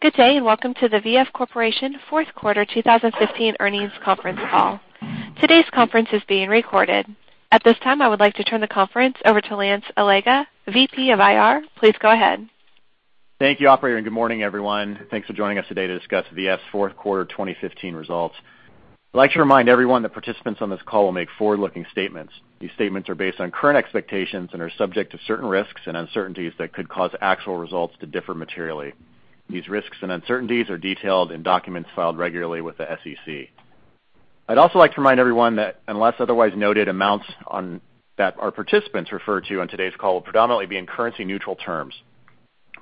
Good day, and welcome to the V.F. Corporation fourth quarter 2015 earnings conference call. Today's conference is being recorded. At this time, I would like to turn the conference over to Lance Allega, VP of IR. Please go ahead. Thank you, operator, and good morning, everyone. Thanks for joining us today to discuss V.F.'s fourth quarter 2015 results. I'd like to remind everyone that participants on this call will make forward-looking statements. These statements are based on current expectations and are subject to certain risks and uncertainties that could cause actual results to differ materially. These risks and uncertainties are detailed in documents filed regularly with the SEC. I'd also like to remind everyone that unless otherwise noted, amounts that our participants refer to on today's call will predominantly be in currency-neutral terms.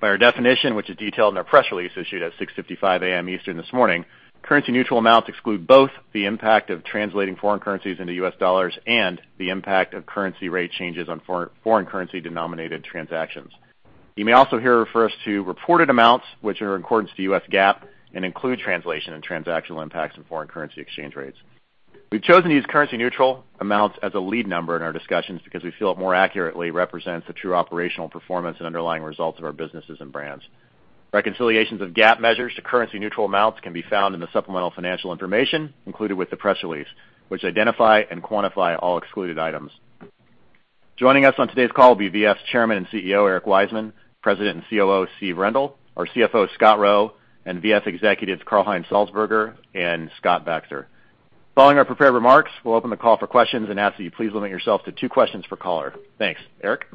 By our definition, which is detailed in our press release issued at 6:55 A.M. Eastern this morning, currency-neutral amounts exclude both the impact of translating foreign currencies into U.S. dollars and the impact of currency rate changes on foreign currency denominated transactions. You may also hear us refer to reported amounts, which are in accordance to U.S. GAAP and include translation and transactional impacts in foreign currency exchange rates. We've chosen to use currency-neutral amounts as a lead number in our discussions because we feel it more accurately represents the true operational performance and underlying results of our businesses and brands. Reconciliations of GAAP measures to currency-neutral amounts can be found in the supplemental financial information included with the press release, which identify and quantify all excluded items. Joining us on today's call will be V.F.'s Chairman and CEO, Eric Wiseman; President and COO, Steven Rendle; our CFO, Scott Roe, and V.F. executives Karl-Heinz Salzburger and Scott Baxter. Following our prepared remarks, we'll open the call for questions and ask that you please limit yourself to two questions per caller. Thanks. Eric?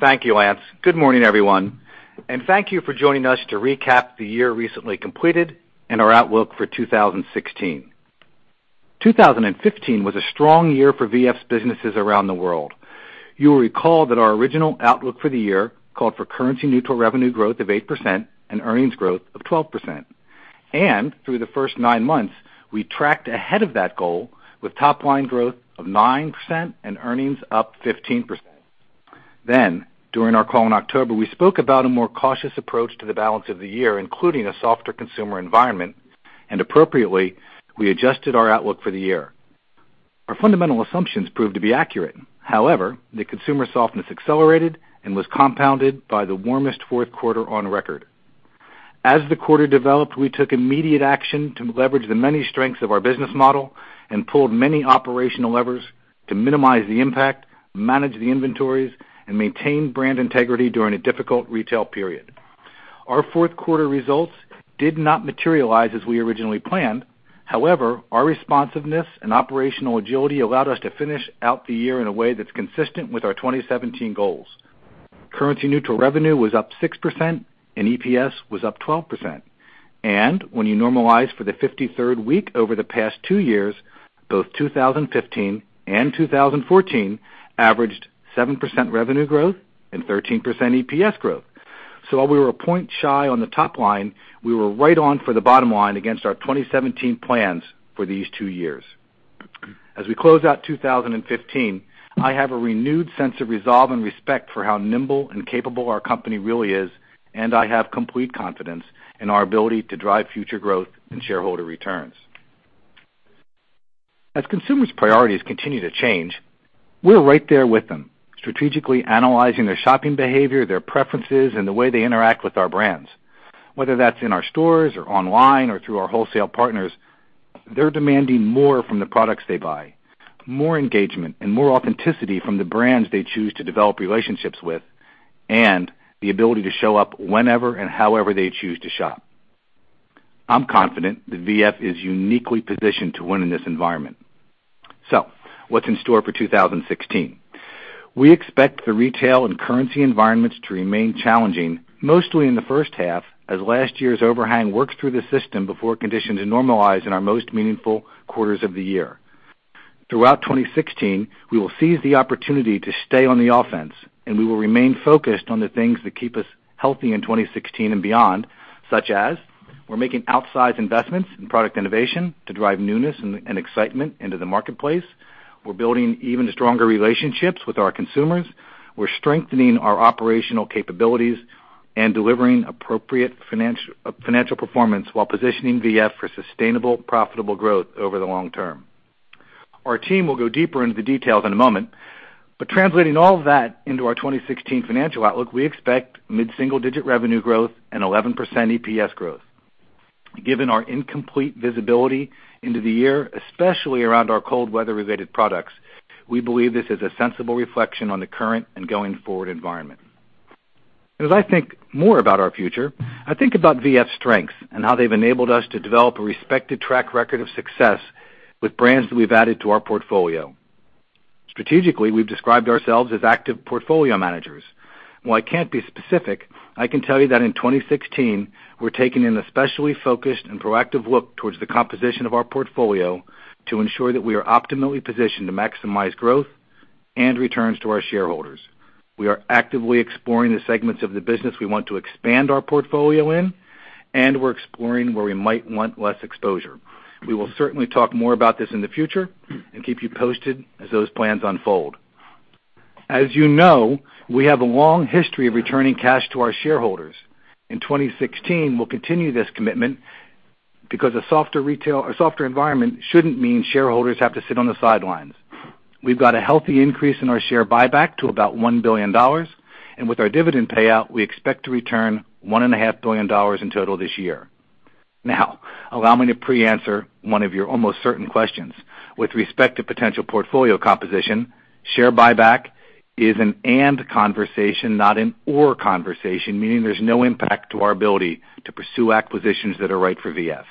Thank you, Lance. Good morning, everyone, and thank you for joining us to recap the year recently completed and our outlook for 2016. 2015 was a strong year for V.F.'s businesses around the world. You will recall that our original outlook for the year called for currency-neutral revenue growth of 8% and earnings growth of 12%. Through the first nine months, we tracked ahead of that goal with top-line growth of 9% and earnings up 15%. During our call in October, we spoke about a more cautious approach to the balance of the year, including a softer consumer environment, and appropriately, we adjusted our outlook for the year. Our fundamental assumptions proved to be accurate. However, the consumer softness accelerated and was compounded by the warmest fourth quarter on record. As the quarter developed, we took immediate action to leverage the many strengths of our business model and pulled many operational levers to minimize the impact, manage the inventories, and maintain brand integrity during a difficult retail period. Our fourth quarter results did not materialize as we originally planned. However, our responsiveness and operational agility allowed us to finish out the year in a way that's consistent with our 2017 goals. Currency-neutral revenue was up 6% and EPS was up 12%. When you normalize for the 53rd week over the past two years, both 2015 and 2014 averaged 7% revenue growth and 13% EPS growth. While we were a point shy on the top line, we were right on for the bottom line against our 2017 plans for these two years. As we close out 2015, I have a renewed sense of resolve and respect for how nimble and capable our company really is. I have complete confidence in our ability to drive future growth and shareholder returns. As consumers' priorities continue to change, we're right there with them, strategically analyzing their shopping behavior, their preferences, and the way they interact with our brands. Whether that's in our stores or online or through our wholesale partners, they're demanding more from the products they buy, more engagement and more authenticity from the brands they choose to develop relationships with, and the ability to show up whenever and however they choose to shop. I'm confident that V.F. is uniquely positioned to win in this environment. What's in store for 2016? We expect the retail and currency environments to remain challenging, mostly in the first half, as last year's overhang works through the system before conditions normalize in our most meaningful quarters of the year. Throughout 2016, we will seize the opportunity to stay on the offense. We will remain focused on the things that keep us healthy in 2016 and beyond, such as we're making outsized investments in product innovation to drive newness and excitement into the marketplace. We're building even stronger relationships with our consumers. We're strengthening our operational capabilities and delivering appropriate financial performance while positioning V.F. for sustainable, profitable growth over the long term. Our team will go deeper into the details in a moment, translating all of that into our 2016 financial outlook, we expect mid-single-digit revenue growth and 11% EPS growth. Given our incomplete visibility into the year, especially around our cold weather-related products, we believe this is a sensible reflection on the current and going forward environment. As I think more about our future, I think about V.F.'s strengths and how they've enabled us to develop a respected track record of success with brands that we've added to our portfolio. Strategically, we've described ourselves as active portfolio managers. While I can't be specific, I can tell you that in 2016, we're taking an especially focused and proactive look towards the composition of our portfolio to ensure that we are optimally positioned to maximize growth and returns to our shareholders. We are actively exploring the segments of the business we want to expand our portfolio in. We're exploring where we might want less exposure. We will certainly talk more about this in the future and keep you posted as those plans unfold. As you know, we have a long history of returning cash to our shareholders. In 2016, we'll continue this commitment. A softer environment shouldn't mean shareholders have to sit on the sidelines. We've got a healthy increase in our share buyback to about $1 billion, and with our dividend payout, we expect to return $1.5 billion in total this year. Allow me to pre-answer one of your almost certain questions. With respect to potential portfolio composition, share buyback is an and conversation, not an or conversation, meaning there's no impact to our ability to pursue acquisitions that are right for V.F.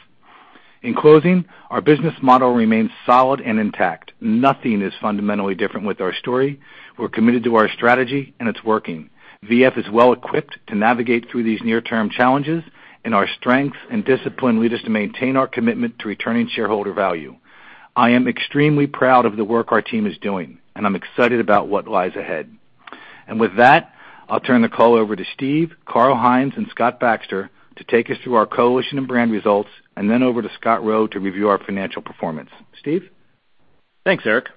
In closing, our business model remains solid and intact. Nothing is fundamentally different with our story. We're committed to our strategy, and it's working. V.F. is well-equipped to navigate through these near-term challenges, and our strength and discipline lead us to maintain our commitment to returning shareholder value. I am extremely proud of the work our team is doing, and I'm excited about what lies ahead. With that, I'll turn the call over to Steve, Karl-Heinz, and Scott Baxter to take us through our coalition and brand results, and then over to Scott Roe to review our financial performance. Steve? Thanks, Eric.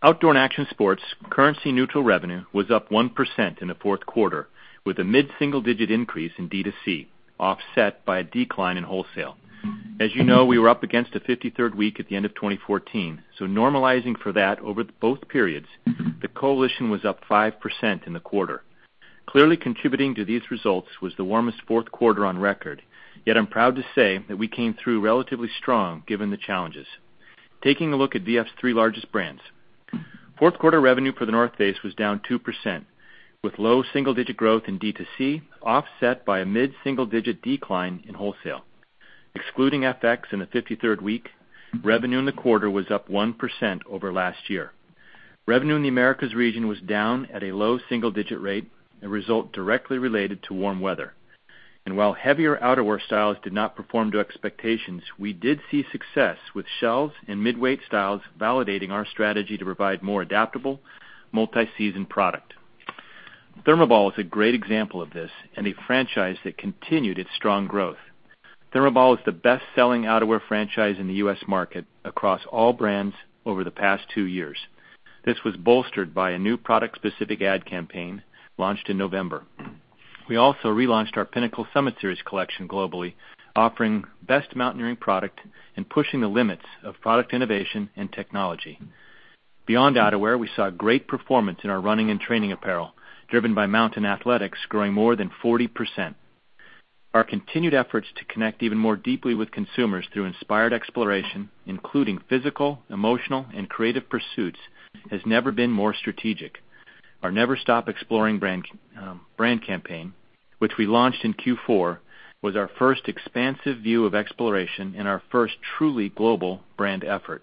Outdoor and action sports currency neutral revenue was up 1% in the fourth quarter, with a mid-single-digit increase in D2C, offset by a decline in wholesale. As you know, we were up against a 53rd week at the end of 2014, normalizing for that over both periods, the coalition was up 5% in the quarter. Clearly contributing to these results was the warmest fourth quarter on record, yet I'm proud to say that we came through relatively strong given the challenges. Taking a look at V.F.'s three largest brands. Fourth quarter revenue for The North Face was down 2%, with low single-digit growth in D2C, offset by a mid-single-digit decline in wholesale. Excluding FX in the 53rd week, revenue in the quarter was up 1% over last year. Revenue in the Americas region was down at a low single-digit rate, a result directly related to warm weather. While heavier outerwear styles did not perform to expectations, we did see success with shells and mid-weight styles validating our strategy to provide more adaptable multi-season product. ThermoBall is a great example of this and a franchise that continued its strong growth. ThermoBall is the best-selling outerwear franchise in the U.S. market across all brands over the past two years. This was bolstered by a new product-specific ad campaign launched in November. We also relaunched our Pinnacle Summit Series collection globally, offering best mountaineering product and pushing the limits of product innovation and technology. Beyond outerwear, we saw great performance in our running and training apparel, driven by Mountain Athletics growing more than 40%. Our continued efforts to connect even more deeply with consumers through inspired exploration, including physical, emotional, and creative pursuits, has never been more strategic. Our Never Stop Exploring brand campaign, which we launched in Q4, was our first expansive view of exploration and our first truly global brand effort.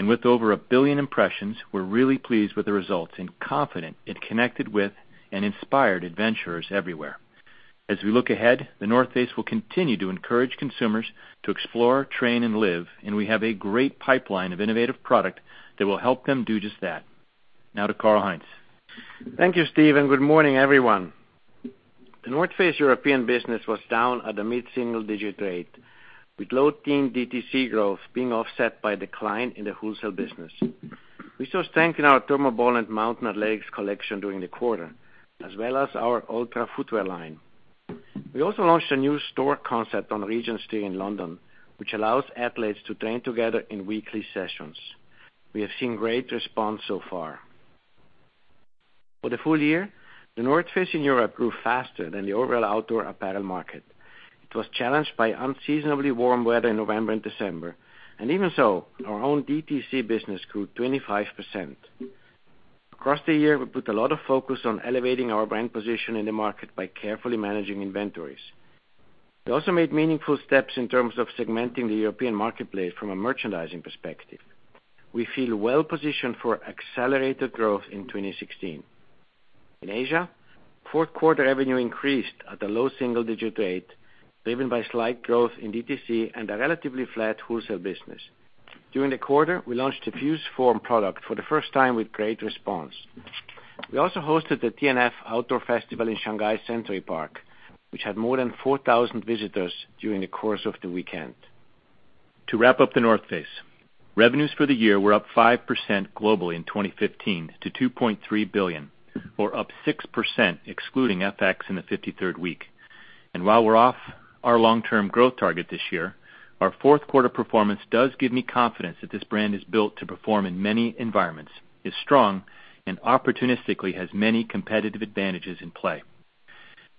With over $1 billion impressions, we're really pleased with the results and confident it connected with and inspired adventurers everywhere. As we look ahead, The North Face will continue to encourage consumers to explore, train, and live, and we have a great pipeline of innovative product that will help them do just that. Now to Karl-Heinz. Thank you, Steve, good morning, everyone. The North Face European business was down at a mid-single-digit rate, with low teen DTC growth being offset by decline in the wholesale business. We saw strength in our ThermoBall and Mountain Athletics collection during the quarter, as well as our Ultra footwear line. We also launched a new store concept on Regent Street in London, which allows athletes to train together in weekly sessions. We have seen great response so far. For the full year, The North Face in Europe grew faster than the overall outdoor apparel market. It was challenged by unseasonably warm weather in November and December. Even so, our own DTC business grew 25%. Across the year, we put a lot of focus on elevating our brand position in the market by carefully managing inventories. We also made meaningful steps in terms of segmenting the European marketplace from a merchandising perspective. We feel well positioned for accelerated growth in 2016. In Asia, fourth quarter revenue increased at a low single-digit rate, driven by slight growth in DTC and a relatively flat wholesale business. During the quarter, we launched the FuseForm product for the first time with great response. We also hosted The North Face Outdoor Festival in Shanghai Century Park, which had more than 4,000 visitors during the course of the weekend. To wrap up The North Face, revenues for the year were up 5% globally in 2015 to $2.3 billion, or up 6% excluding FX in the 53rd week. While we're off our long-term growth target this year, our fourth quarter performance does give me confidence that this brand is built to perform in many environments, is strong, and opportunistically has many competitive advantages in play.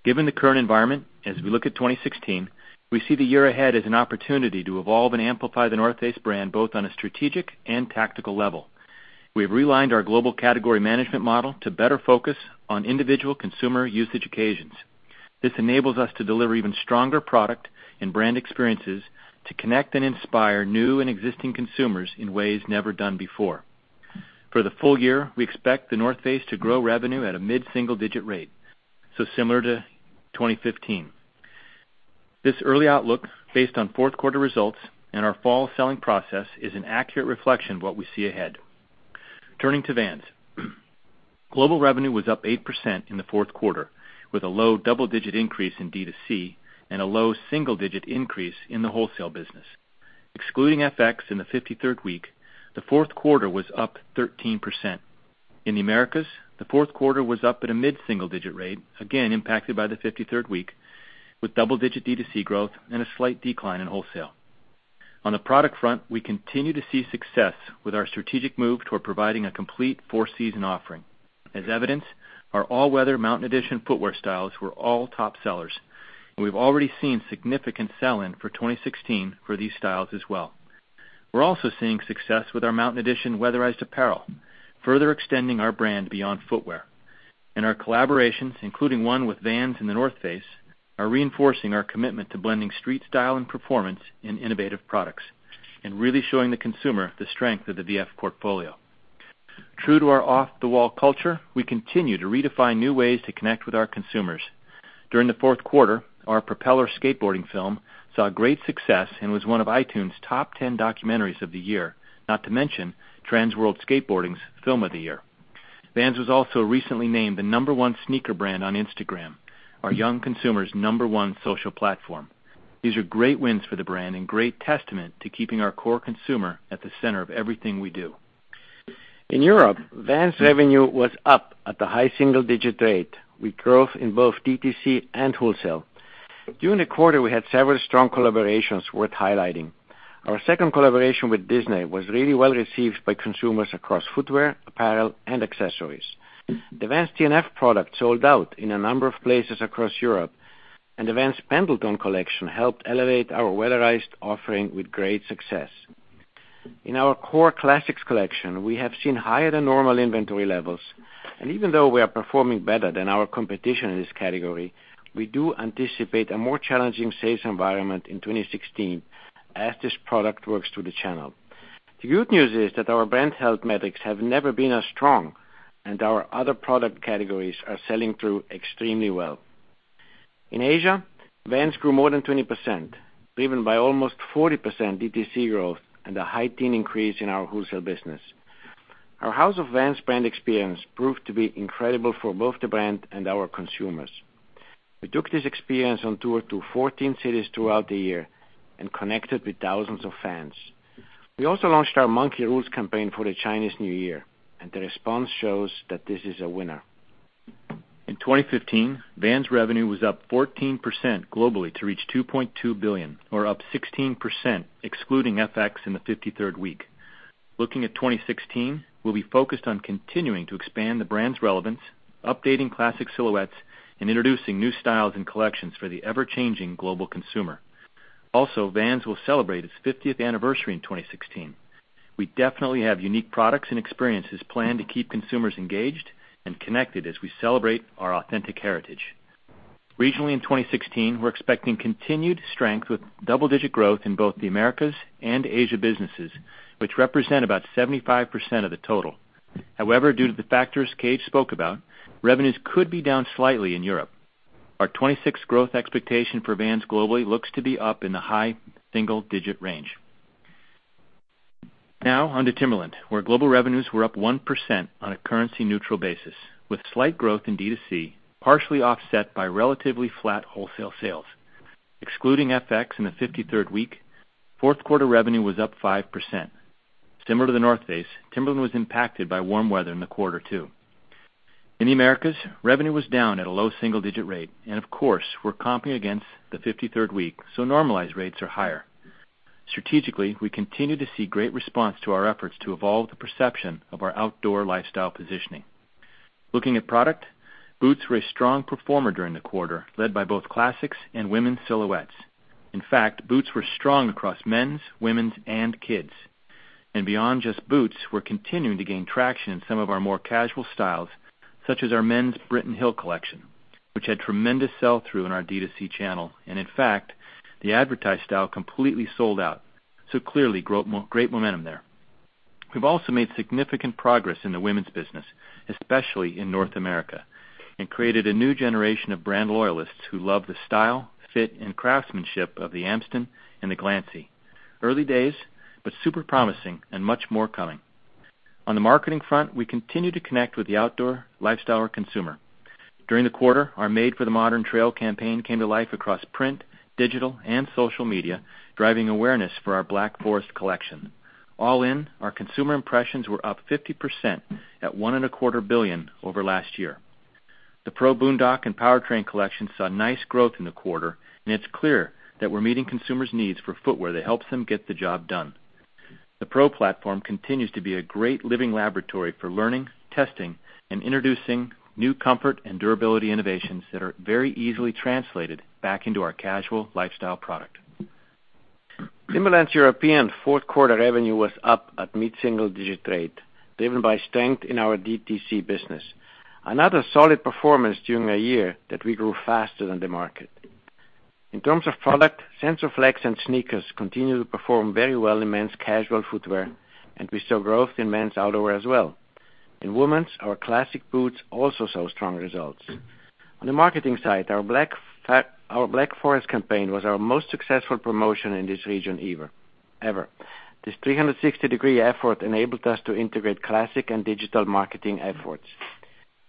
Given the current environment, as we look at 2016, we see the year ahead as an opportunity to evolve and amplify The North Face brand, both on a strategic and tactical level. We've realigned our global category management model to better focus on individual consumer usage occasions. This enables us to deliver even stronger product and brand experiences to connect and inspire new and existing consumers in ways never done before. For the full year, we expect The North Face to grow revenue at a mid-single-digit rate, so similar to 2015. This early outlook, based on fourth quarter results and our fall selling process, is an accurate reflection of what we see ahead. Turning to Vans. Global revenue was up 8% in the fourth quarter, with a low double-digit increase in D2C and a low single-digit increase in the wholesale business. Excluding FX in the 53rd week, the fourth quarter was up 13%. In the Americas, the fourth quarter was up at a mid-single-digit rate, again impacted by the 53rd week, with double-digit D2C growth and a slight decline in wholesale. On the product front, we continue to see success with our strategic move toward providing a complete four-season offering. As evidenced, our all-weather Mountain Edition footwear styles were all top sellers, and we've already seen significant sell-in for 2016 for these styles as well. We're also seeing success with our Mountain Edition weatherized apparel, further extending our brand beyond footwear. Our collaborations, including one with Vans and The North Face, are reinforcing our commitment to blending street style and performance in innovative products and really showing the consumer the strength of the V.F. portfolio. True to our off-the-wall culture, we continue to redefine new ways to connect with our consumers. During the fourth quarter, our Propeller skateboarding film saw great success and was one of iTunes' top 10 documentaries of the year, not to mention Transworld Skateboarding's Film of the Year. Vans was also recently named the number one sneaker brand on Instagram, our young consumers' number one social platform. These are great wins for the brand and great testament to keeping our core consumer at the center of everything we do. In Europe, Vans revenue was up at the high single-digit rate, with growth in both D2C and wholesale. During the quarter, we had several strong collaborations worth highlighting. Our second collaboration with Disney was really well received by consumers across footwear, apparel, and accessories. The Vans TNF product sold out in a number of places across Europe, and the Vans x Pendleton collection helped elevate our weatherized offering with great success. In our core classics collection, we have seen higher than normal inventory levels, and even though we are performing better than our competition in this category, we do anticipate a more challenging sales environment in 2016 as this product works through the channel. The good news is that our brand health metrics have never been as strong, and our other product categories are selling through extremely well. In Asia, Vans grew more than 20%, driven by almost 40% D2C growth and a high teen increase in our wholesale business. Our House of Vans brand experience proved to be incredible for both the brand and our consumers. We took this experience on tour to 14 cities throughout the year and connected with thousands of fans. We also launched our Monkey Rules campaign for the Chinese New Year, and the response shows that this is a winner. In 2015, Vans revenue was up 14% globally to reach $2.2 billion, or up 16% excluding FX in the 53rd week. Looking at 2016, we'll be focused on continuing to expand the brand's relevance, updating classic silhouettes, and introducing new styles and collections for the ever-changing global consumer. Vans will celebrate its 50th anniversary in 2016. We definitely have unique products and experiences planned to keep consumers engaged and connected as we celebrate our authentic heritage. Regionally in 2016, we're expecting continued strength with double-digit growth in both the Americas and Asia businesses, which represent about 75% of the total. Due to the factors Heinz spoke about, revenues could be down slightly in Europe. Our 2016 growth expectation for Vans globally looks to be up in the high single-digit range. Now on to Timberland, where global revenues were up 1% on a currency-neutral basis, with slight growth in D2C, partially offset by relatively flat wholesale sales. Excluding FX in the 53rd week, fourth quarter revenue was up 5%. Similar to The North Face, Timberland was impacted by warm weather in the quarter too. In the Americas, revenue was down at a low single-digit rate. Of course, we're comping against the 53rd week, so normalized rates are higher. Strategically, we continue to see great response to our efforts to evolve the perception of our outdoor lifestyle positioning. Looking at product, boots were a strong performer during the quarter, led by both classics and women's silhouettes. In fact, boots were strong across men's, women's, and kids'. Beyond just boots, we're continuing to gain traction in some of our more casual styles, such as our men's Britton Hill collection, which had tremendous sell-through in our D2C channel. In fact, the advertised style completely sold out. Clearly, great momentum there. We've also made significant progress in the women's business, especially in North America, and created a new generation of brand loyalists who love the style, fit, and craftsmanship of the Amston and the Glancy. Early days, super promising and much more coming. On the marketing front, we continue to connect with the outdoor lifestyle consumer. During the quarter, our Made for the Modern Trail campaign came to life across print, digital, and social media, driving awareness for our Black Forest collection. All in, our consumer impressions were up 50% at one and a quarter billion over last year. The PRO Boondock and Powertrain collection saw nice growth in the quarter, and it's clear that we're meeting consumers' needs for footwear that helps them get the job done. The PRO platform continues to be a great living laboratory for learning, testing, and introducing new comfort and durability innovations that are very easily translated back into our casual lifestyle product. Timberland's European fourth-quarter revenue was up at mid-single digit rate, driven by strength in our D2C business. Another solid performance during a year that we grew faster than the market. In terms of product, SensorFlex and sneakers continue to perform very well in men's casual footwear. We saw growth in men's outdoor as well. In women's, our classic boots also saw strong results. On the marketing side, our Black Forest campaign was our most successful promotion in this region ever. This 360-degree effort enabled us to integrate classic and digital marketing efforts.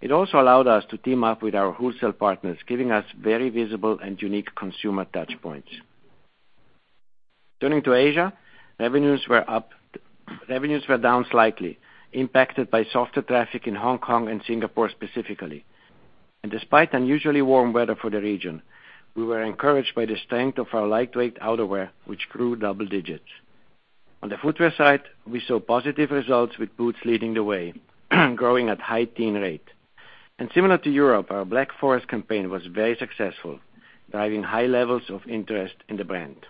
It also allowed us to team up with our wholesale partners, giving us very visible and unique consumer touchpoints. Turning to Asia, revenues were down slightly, impacted by softer traffic in Hong Kong and Singapore specifically. Despite unusually warm weather for the region, we were encouraged by the strength of our lightweight outerwear, which grew double digits. On the footwear side, we saw positive results, with boots leading the way, growing at high teen rate. Similar to Europe, our Black Forest campaign was very successful, driving high levels of interest in the brand.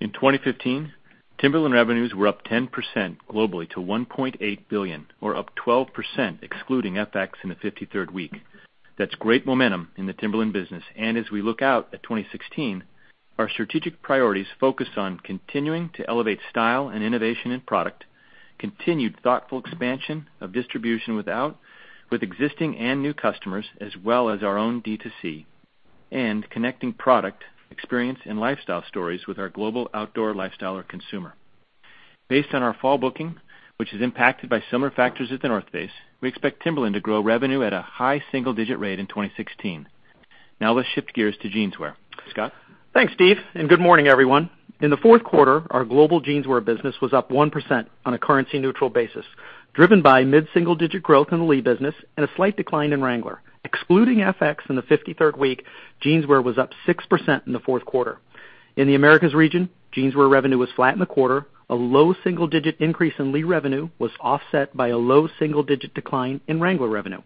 In 2015, Timberland revenues were up 10% globally to $1.8 billion, or up 12% excluding FX in the 53rd week. That's great momentum in the Timberland business. As we look out at 2016, our strategic priorities focus on continuing to elevate style and innovation in product, continued thoughtful expansion of distribution with existing and new customers, as well as our own D2C. Connecting product experience and lifestyle stories with our global outdoor lifestyler consumer. Based on our fall booking, which is impacted by similar factors as The North Face, we expect Timberland to grow revenue at a high single-digit rate in 2016. Now let's shift gears to Jeanswear. Scott? Thanks, Steve, and good morning, everyone. In the fourth quarter, our global Jeanswear business was up 1% on a currency-neutral basis, driven by mid-single-digit growth in the Lee business and a slight decline in Wrangler. Excluding FX in the 53rd week, Jeanswear was up 6% in the fourth quarter. In the Americas region, Jeanswear revenue was flat in the quarter. A low single-digit increase in Lee revenue was offset by a low single-digit decline in Wrangler revenue.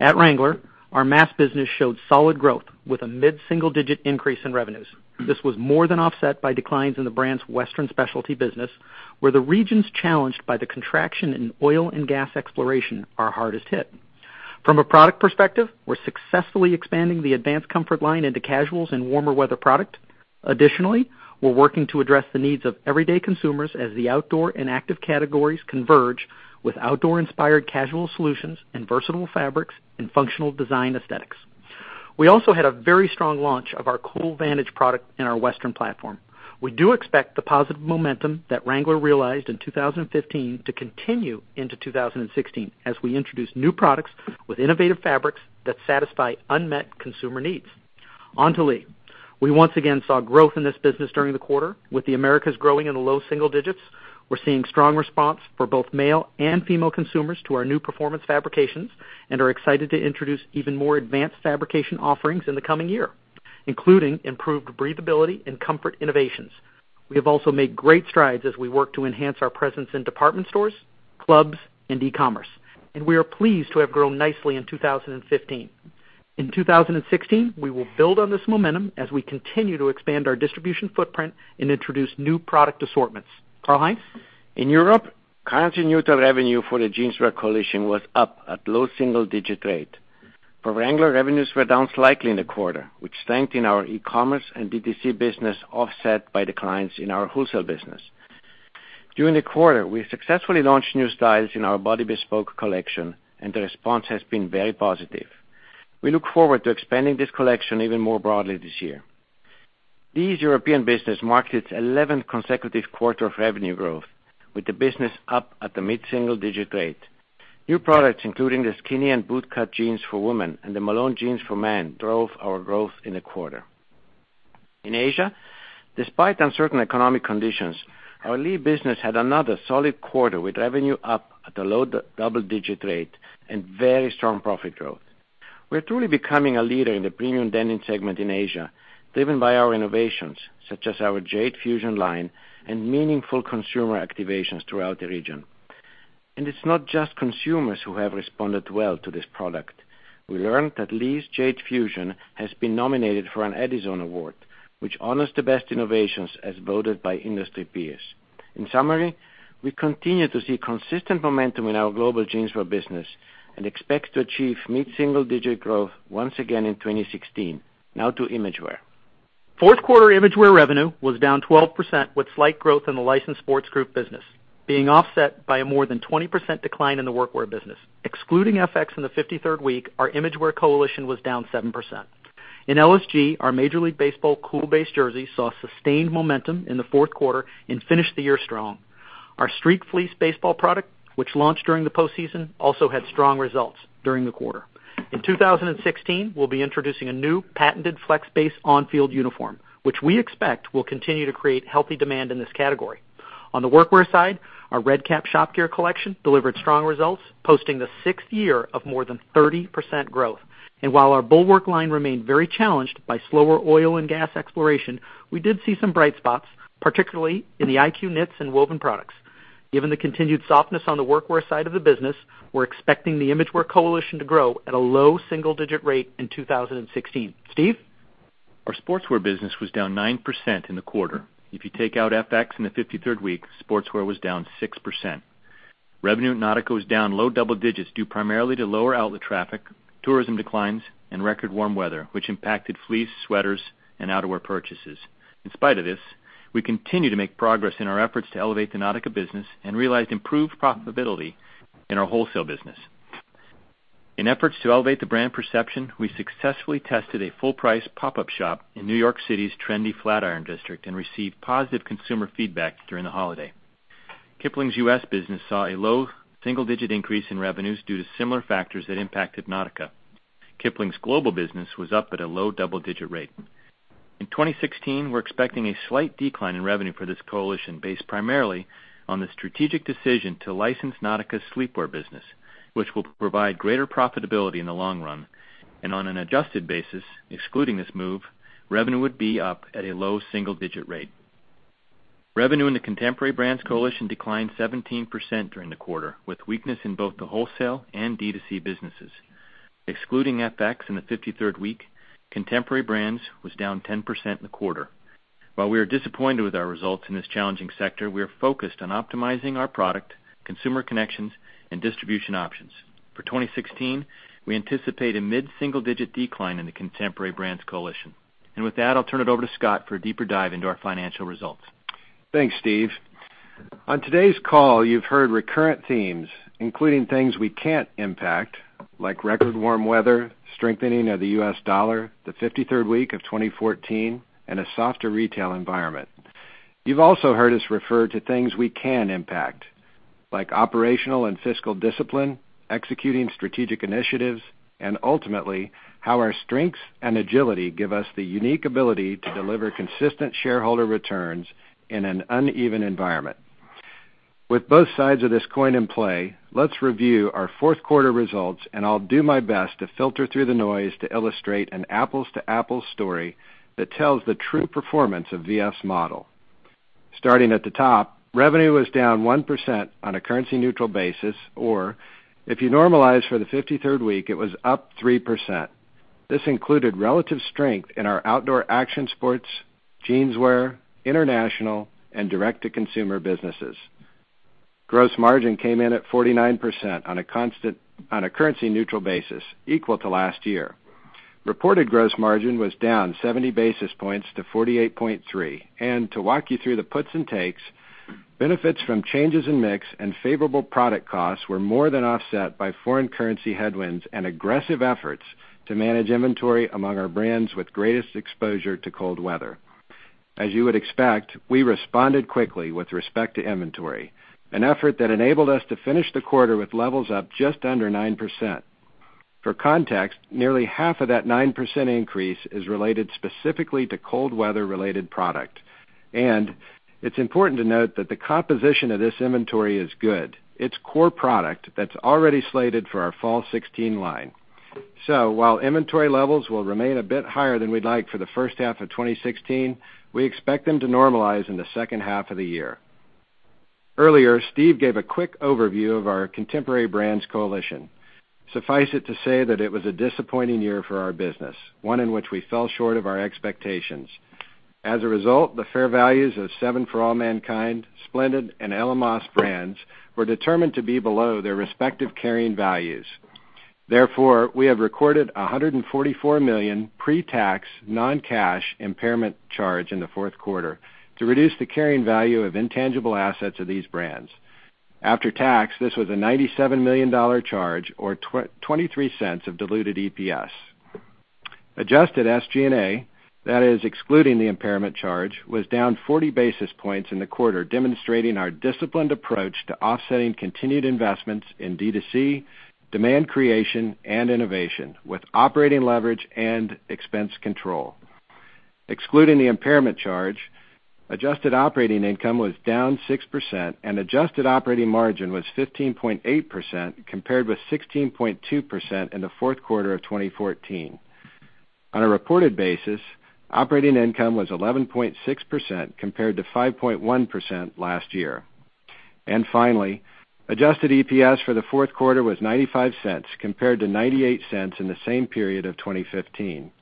At Wrangler, our mass business showed solid growth with a mid-single-digit increase in revenues. This was more than offset by declines in the brand's Western specialty business, where the regions challenged by the contraction in oil and gas exploration are hardest hit. From a product perspective, we're successfully expanding the Advanced Comfort line into casuals and warmer weather product. Additionally, we're working to address the needs of everyday consumers as the outdoor and active categories converge with outdoor-inspired casual solutions and versatile fabrics and functional design aesthetics. We also had a very strong launch of our Cool Vantage product in our Western platform. We do expect the positive momentum that Wrangler realized in 2015 to continue into 2016 as we introduce new products with innovative fabrics that satisfy unmet consumer needs. On to Lee. We once again saw growth in this business during the quarter, with the Americas growing in the low single digits. We're seeing strong response for both male and female consumers to our new performance fabrications and are excited to introduce even more advanced fabrication offerings in the coming year, including improved breathability and comfort innovations. We have also made great strides as we work to enhance our presence in department stores, clubs, and e-commerce. We are pleased to have grown nicely in 2015. In 2016, we will build on this momentum as we continue to expand our distribution footprint and introduce new product assortments. Karl-Heinz? In Europe, currency-neutral revenue for the Jeanswear coalition was up at low single-digit rate. For Wrangler, revenues were down slightly in the quarter, with strength in our e-commerce and B2C business offset by declines in our wholesale business. During the quarter, we successfully launched new styles in our Body Bespoke collection, and the response has been very positive. We look forward to expanding this collection even more broadly this year. Lee's European business marked its 11th consecutive quarter of revenue growth, with the business up at a mid-single-digit rate. New products, including the skinny and bootcut jeans for women and the Malone jeans for men, drove our growth in the quarter. In Asia, despite uncertain economic conditions, our Lee business had another solid quarter, with revenue up at a low double-digit rate and very strong profit growth. We're truly becoming a leader in the premium denim segment in Asia, driven by our innovations such as our Jade Fusion line and meaningful consumer activations throughout the region. It's not just consumers who have responded well to this product. We learned that Lee's Jade Fusion has been nominated for an Edison Awards, which honors the best innovations as voted by industry peers. In summary, we continue to see consistent momentum in our global Jeanswear business and expect to achieve mid-single-digit growth once again in 2016. Now to Imagewear. Fourth quarter Imagewear revenue was down 12%, with slight growth in the Licensed Sports Group business being offset by a more than 20% decline in the workwear business. Excluding FX in the 53rd week, our Imagewear coalition was down 7%. In LSG, our Major League Baseball Cool Base jersey saw sustained momentum in the fourth quarter and finished the year strong. Our Street Fleece baseball product, which launched during the postseason, also had strong results during the quarter. In 2016, we'll be introducing a new patented Flex Base on-field uniform, which we expect will continue to create healthy demand in this category. On the workwear side, our Red Kap Shop Gear collection delivered strong results, posting the sixth year of more than 30% growth. While our Bulwark line remained very challenged by slower oil and gas exploration, we did see some bright spots, particularly in the iQ knits and woven products. Given the continued softness on the workwear side of the business, we're expecting the Imagewear coalition to grow at a low-single-digit rate in 2016. Steve? Our Sportswear business was down 9% in the quarter. If you take out FX in the 53rd week, Sportswear was down 6%. Revenue at Nautica was down low-double-digits, due primarily to lower outlet traffic, tourism declines, and record warm weather, which impacted fleece, sweaters, and outerwear purchases. In spite of this, we continue to make progress in our efforts to elevate the Nautica business and realized improved profitability in our wholesale business. In efforts to elevate the brand perception, we successfully tested a full-price pop-up shop in New York City's trendy Flatiron District and received positive consumer feedback during the holiday. Kipling's U.S. business saw a low-single-digit increase in revenues due to similar factors that impacted Nautica. Kipling's global business was up at a low-double-digit rate. In 2016, we're expecting a slight decline in revenue for this coalition based primarily on the strategic decision to license Nautica's sleepwear business, which will provide greater profitability in the long run. On an adjusted basis, excluding this move, revenue would be up at a low single-digit rate. Revenue in the Contemporary Brands coalition declined 17% during the quarter, with weakness in both the wholesale and D2C businesses. Excluding FX in the 53rd week, Contemporary Brands was down 10% in the quarter. While we are disappointed with our results in this challenging sector, we are focused on optimizing our product, consumer connections, and distribution options. For 2016, we anticipate a mid-single-digit decline in the Contemporary Brands coalition. With that, I'll turn it over to Scott for a deeper dive into our financial results. Thanks, Steve. On today's call, you've heard recurrent themes, including things we can't impact, like record warm weather, strengthening of the U.S. dollar, the 53rd week of 2014, and a softer retail environment. You've also heard us refer to things we can impact, like operational and fiscal discipline, executing strategic initiatives, and ultimately, how our strengths and agility give us the unique ability to deliver consistent shareholder returns in an uneven environment. With both sides of this coin in play, let's review our fourth quarter results, and I'll do my best to filter through the noise to illustrate an apples to apples story that tells the true performance of VF's model. Starting at the top, revenue was down 1% on a currency-neutral basis, or if you normalize for the 53rd week, it was up 3%. This included relative strength in our outdoor action sports, Jeanswear, international, and direct-to-consumer businesses. Gross margin came in at 49% on a currency-neutral basis, equal to last year. Reported gross margin was down 70 basis points to 48.3. To walk you through the puts and takes, benefits from changes in mix and favorable product costs were more than offset by foreign currency headwinds and aggressive efforts to manage inventory among our brands with greatest exposure to cold weather. As you would expect, we responded quickly with respect to inventory, an effort that enabled us to finish the quarter with levels up just under 9%. For context, nearly half of that 9% increase is related specifically to cold weather-related product. It's important to note that the composition of this inventory is good. It's core product that's already slated for our fall 2016 line. While inventory levels will remain a bit higher than we'd like for the first half of 2016, we expect them to normalize in the second half of the year. Earlier, Steve gave a quick overview of our Contemporary Brands coalition. Suffice it to say that it was a disappointing year for our business, one in which we fell short of our expectations. As a result, the fair values of 7 For All Mankind, Splendid, and Ella Moss brands were determined to be below their respective carrying values. Therefore, we have recorded $144 million pre-tax, non-cash impairment charge in the fourth quarter to reduce the carrying value of intangible assets of these brands. After tax, this was a $97 million charge or $0.23 of diluted EPS. Adjusted SG&A, that is excluding the impairment charge, was down 40 basis points in the quarter, demonstrating our disciplined approach to offsetting continued investments in D2C, demand creation, and innovation with operating leverage and expense control. Excluding the impairment charge, adjusted operating income was down 6% and adjusted operating margin was 15.8% compared with 16.2% in the fourth quarter of 2014. On a reported basis, operating income was 11.6% compared to 5.1% last year. Finally, adjusted EPS for the fourth quarter was $0.95 compared to $0.98 in the same period of 2015.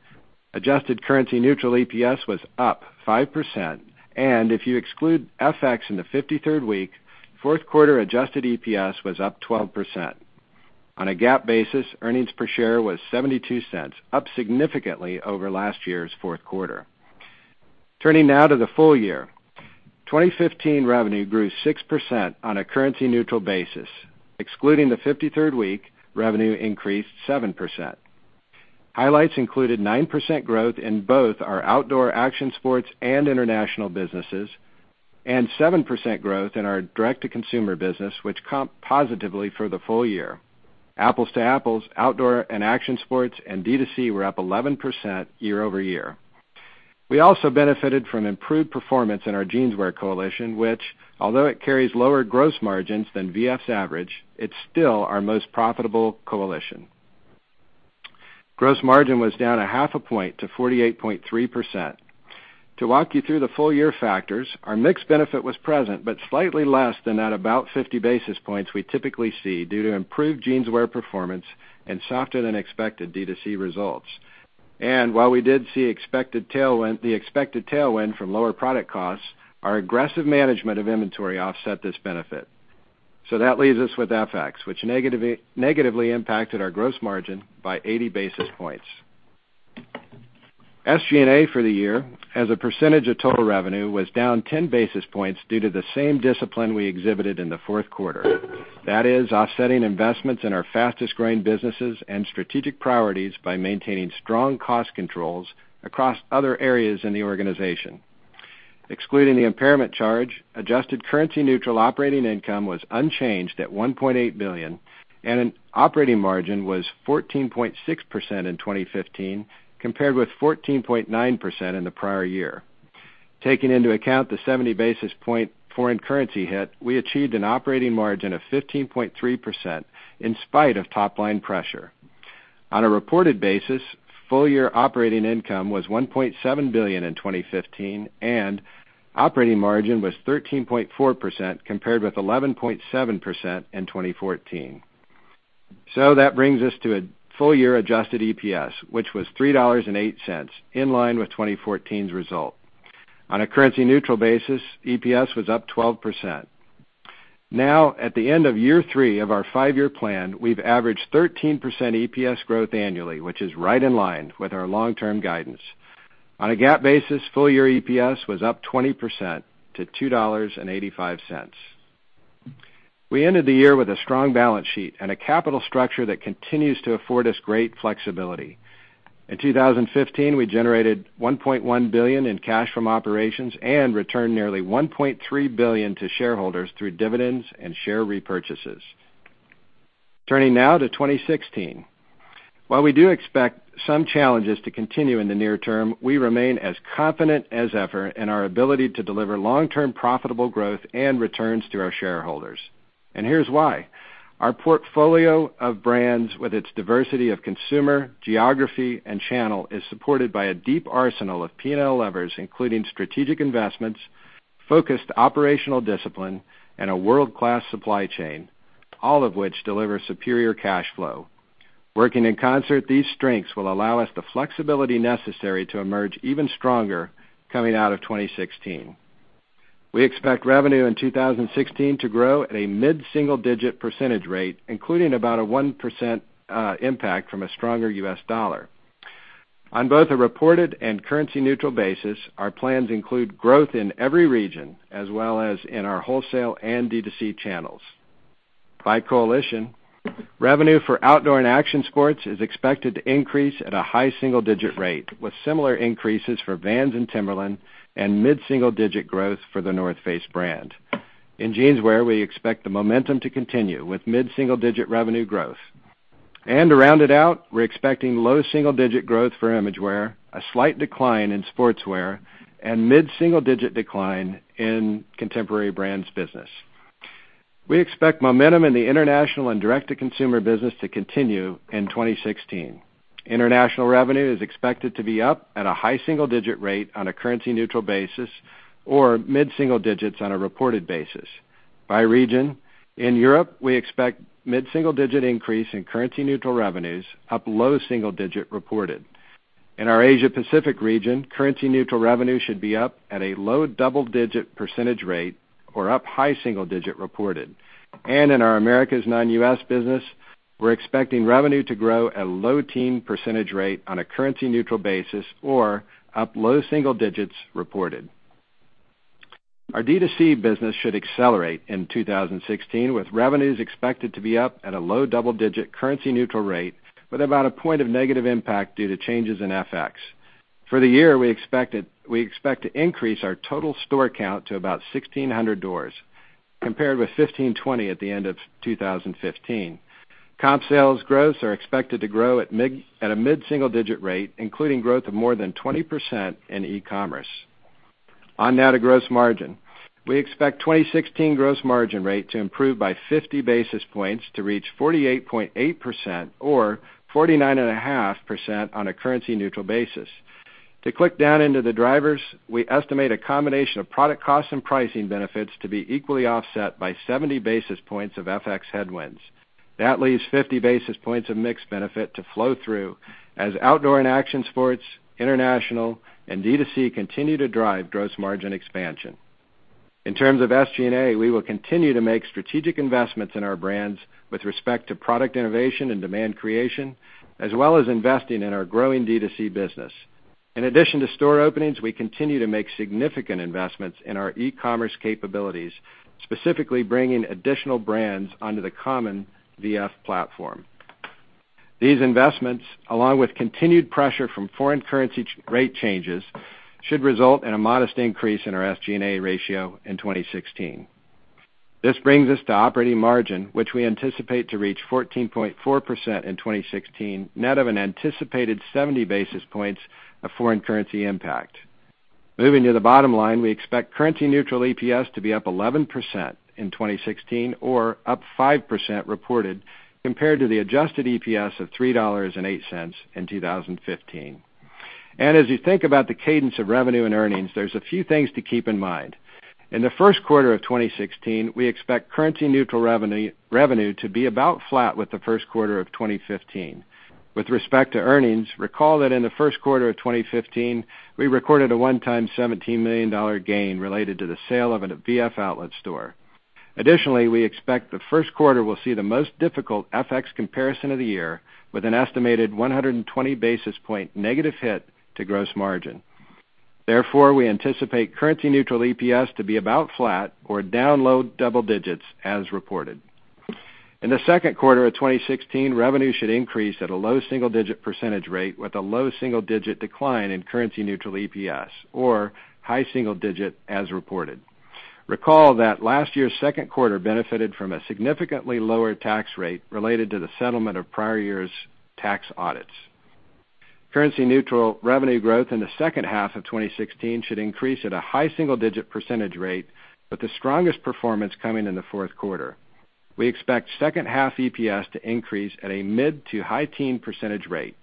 Adjusted currency neutral EPS was up 5%, and if you exclude FX in the 53rd week, fourth quarter adjusted EPS was up 12%. On a GAAP basis, earnings per share was $0.72, up significantly over last year's fourth quarter. Turning now to the full year. 2015 revenue grew 6% on a currency-neutral basis. Excluding the 53rd week, revenue increased 7%. Highlights included 9% growth in both our outdoor action sports and international businesses and 7% growth in our direct-to-consumer business, which comped positively for the full year. Apples to apples, outdoor and action sports and D2C were up 11% year-over-year. We also benefited from improved performance in our Jeanswear coalition which, although it carries lower gross margins than VF's average, it's still our most profitable coalition. Gross margin was down a half a point to 48.3%. To walk you through the full-year factors, our mix benefit was present but slightly less than that about 50 basis points we typically see due to improved Jeanswear performance and softer than expected D2C results. While we did see the expected tailwind from lower product costs, our aggressive management of inventory offset this benefit. That leaves us with FX, which negatively impacted our gross margin by 80 basis points. SG&A for the year as a percentage of total revenue was down 10 basis points due to the same discipline we exhibited in the fourth quarter. That is offsetting investments in our fastest-growing businesses and strategic priorities by maintaining strong cost controls across other areas in the organization. Excluding the impairment charge, adjusted currency neutral operating income was unchanged at $1.8 billion, and an operating margin was 14.6% in 2015, compared with 14.9% in the prior year. Taking into account the 70 basis point foreign currency hit, we achieved an operating margin of 15.3% in spite of top-line pressure. On a reported basis, full-year operating income was $1.7 billion in 2015, and operating margin was 13.4%, compared with 11.7% in 2014. That brings us to a full-year adjusted EPS, which was $3.08, in line with 2014's result. On a currency neutral basis, EPS was up 12%. At the end of year three of our five-year plan, we've averaged 13% EPS growth annually, which is right in line with our long-term guidance. On a GAAP basis, full-year EPS was up 20% to $2.85. We ended the year with a strong balance sheet and a capital structure that continues to afford us great flexibility. In 2015, we generated $1.1 billion in cash from operations and returned nearly $1.3 billion to shareholders through dividends and share repurchases. Turning now to 2016. While we do expect some challenges to continue in the near term, we remain as confident as ever in our ability to deliver long-term profitable growth and returns to our shareholders. Here's why. Our portfolio of brands, with its diversity of consumer, geography, and channel, is supported by a deep arsenal of P&L levers, including strategic investments, focused operational discipline, and a world-class supply chain, all of which deliver superior cash flow. Working in concert, these strengths will allow us the flexibility necessary to emerge even stronger coming out of 2016. We expect revenue in 2016 to grow at a mid-single-digit percentage rate, including about a 1% impact from a stronger US dollar. On both a reported and currency neutral basis, our plans include growth in every region as well as in our wholesale and D2C channels. By coalition, revenue for Outdoor and Action Sports is expected to increase at a high single-digit rate, with similar increases for Vans and Timberland and mid-single-digit growth for The North Face brand. In Jeanswear, we expect the momentum to continue with mid-single-digit revenue growth. To round it out, we're expecting low single-digit growth for Imagewear, a slight decline in Sportswear, and mid-single-digit decline in Contemporary Brands business. We expect momentum in the international and direct-to-consumer business to continue in 2016. International revenue is expected to be up at a high single-digit rate on a currency neutral basis or mid-single-digits on a reported basis. By region, in Europe, we expect mid-single-digit increase in currency neutral revenues up low single-digit reported. In our Asia Pacific region, currency neutral revenue should be up at a low double-digit percentage rate or up high single-digit reported. In our Americas non-U.S. business, we're expecting revenue to grow at a low-teen percentage rate on a currency neutral basis or up low single-digits reported. Our D2C business should accelerate in 2016, with revenues expected to be up at a low double-digit currency neutral rate with about a point of negative impact due to changes in FX. For the year, we expect to increase our total store count to about 1,600 doors, compared with 1,520 at the end of 2015. Comp sales growths are expected to grow at a mid-single-digit rate, including growth of more than 20% in e-commerce. Now to gross margin. We expect 2016 gross margin rate to improve by 50 basis points to reach 48.8% or 49.5% on a currency neutral basis. To click down into the drivers, we estimate a combination of product costs and pricing benefits to be equally offset by 70 basis points of FX headwinds. That leaves 50 basis points of mixed benefit to flow through as Outdoor and Action Sports, international, and D2C continue to drive gross margin expansion. In terms of SG&A, we will continue to make strategic investments in our brands with respect to product innovation and demand creation, as well as investing in our growing D2C business. In addition to store openings, we continue to make significant investments in our e-commerce capabilities, specifically bringing additional brands onto the common V.F. platform. These investments, along with continued pressure from foreign currency rate changes, should result in a modest increase in our SG&A ratio in 2016. This brings us to operating margin, which we anticipate to reach 14.4% in 2016, net of an anticipated 70 basis points of foreign currency impact. Moving to the bottom line, we expect currency neutral EPS to be up 11% in 2016 or up 5% reported compared to the adjusted EPS of $3.08 in 2015. As you think about the cadence of revenue and earnings, there's a few things to keep in mind. In the first quarter of 2016, we expect currency neutral revenue to be about flat with the first quarter of 2015. With respect to earnings, recall that in the first quarter of 2015, we recorded a one-time $17 million gain related to the sale of a VF Outlet store. Additionally, we expect the first quarter will see the most difficult FX comparison of the year, with an estimated 120 basis point negative hit to gross margin. Therefore, we anticipate currency neutral EPS to be about flat or down low double digits as reported. In the second quarter of 2016, revenue should increase at a low single-digit percentage rate with a low single-digit decline in currency-neutral EPS, or high single-digit as reported. Recall that last year's second quarter benefited from a significantly lower tax rate related to the settlement of prior years' tax audits. Currency-neutral revenue growth in the second half of 2016 should increase at a high single-digit percentage rate, with the strongest performance coming in the fourth quarter. We expect second-half EPS to increase at a mid to high teen percentage rate.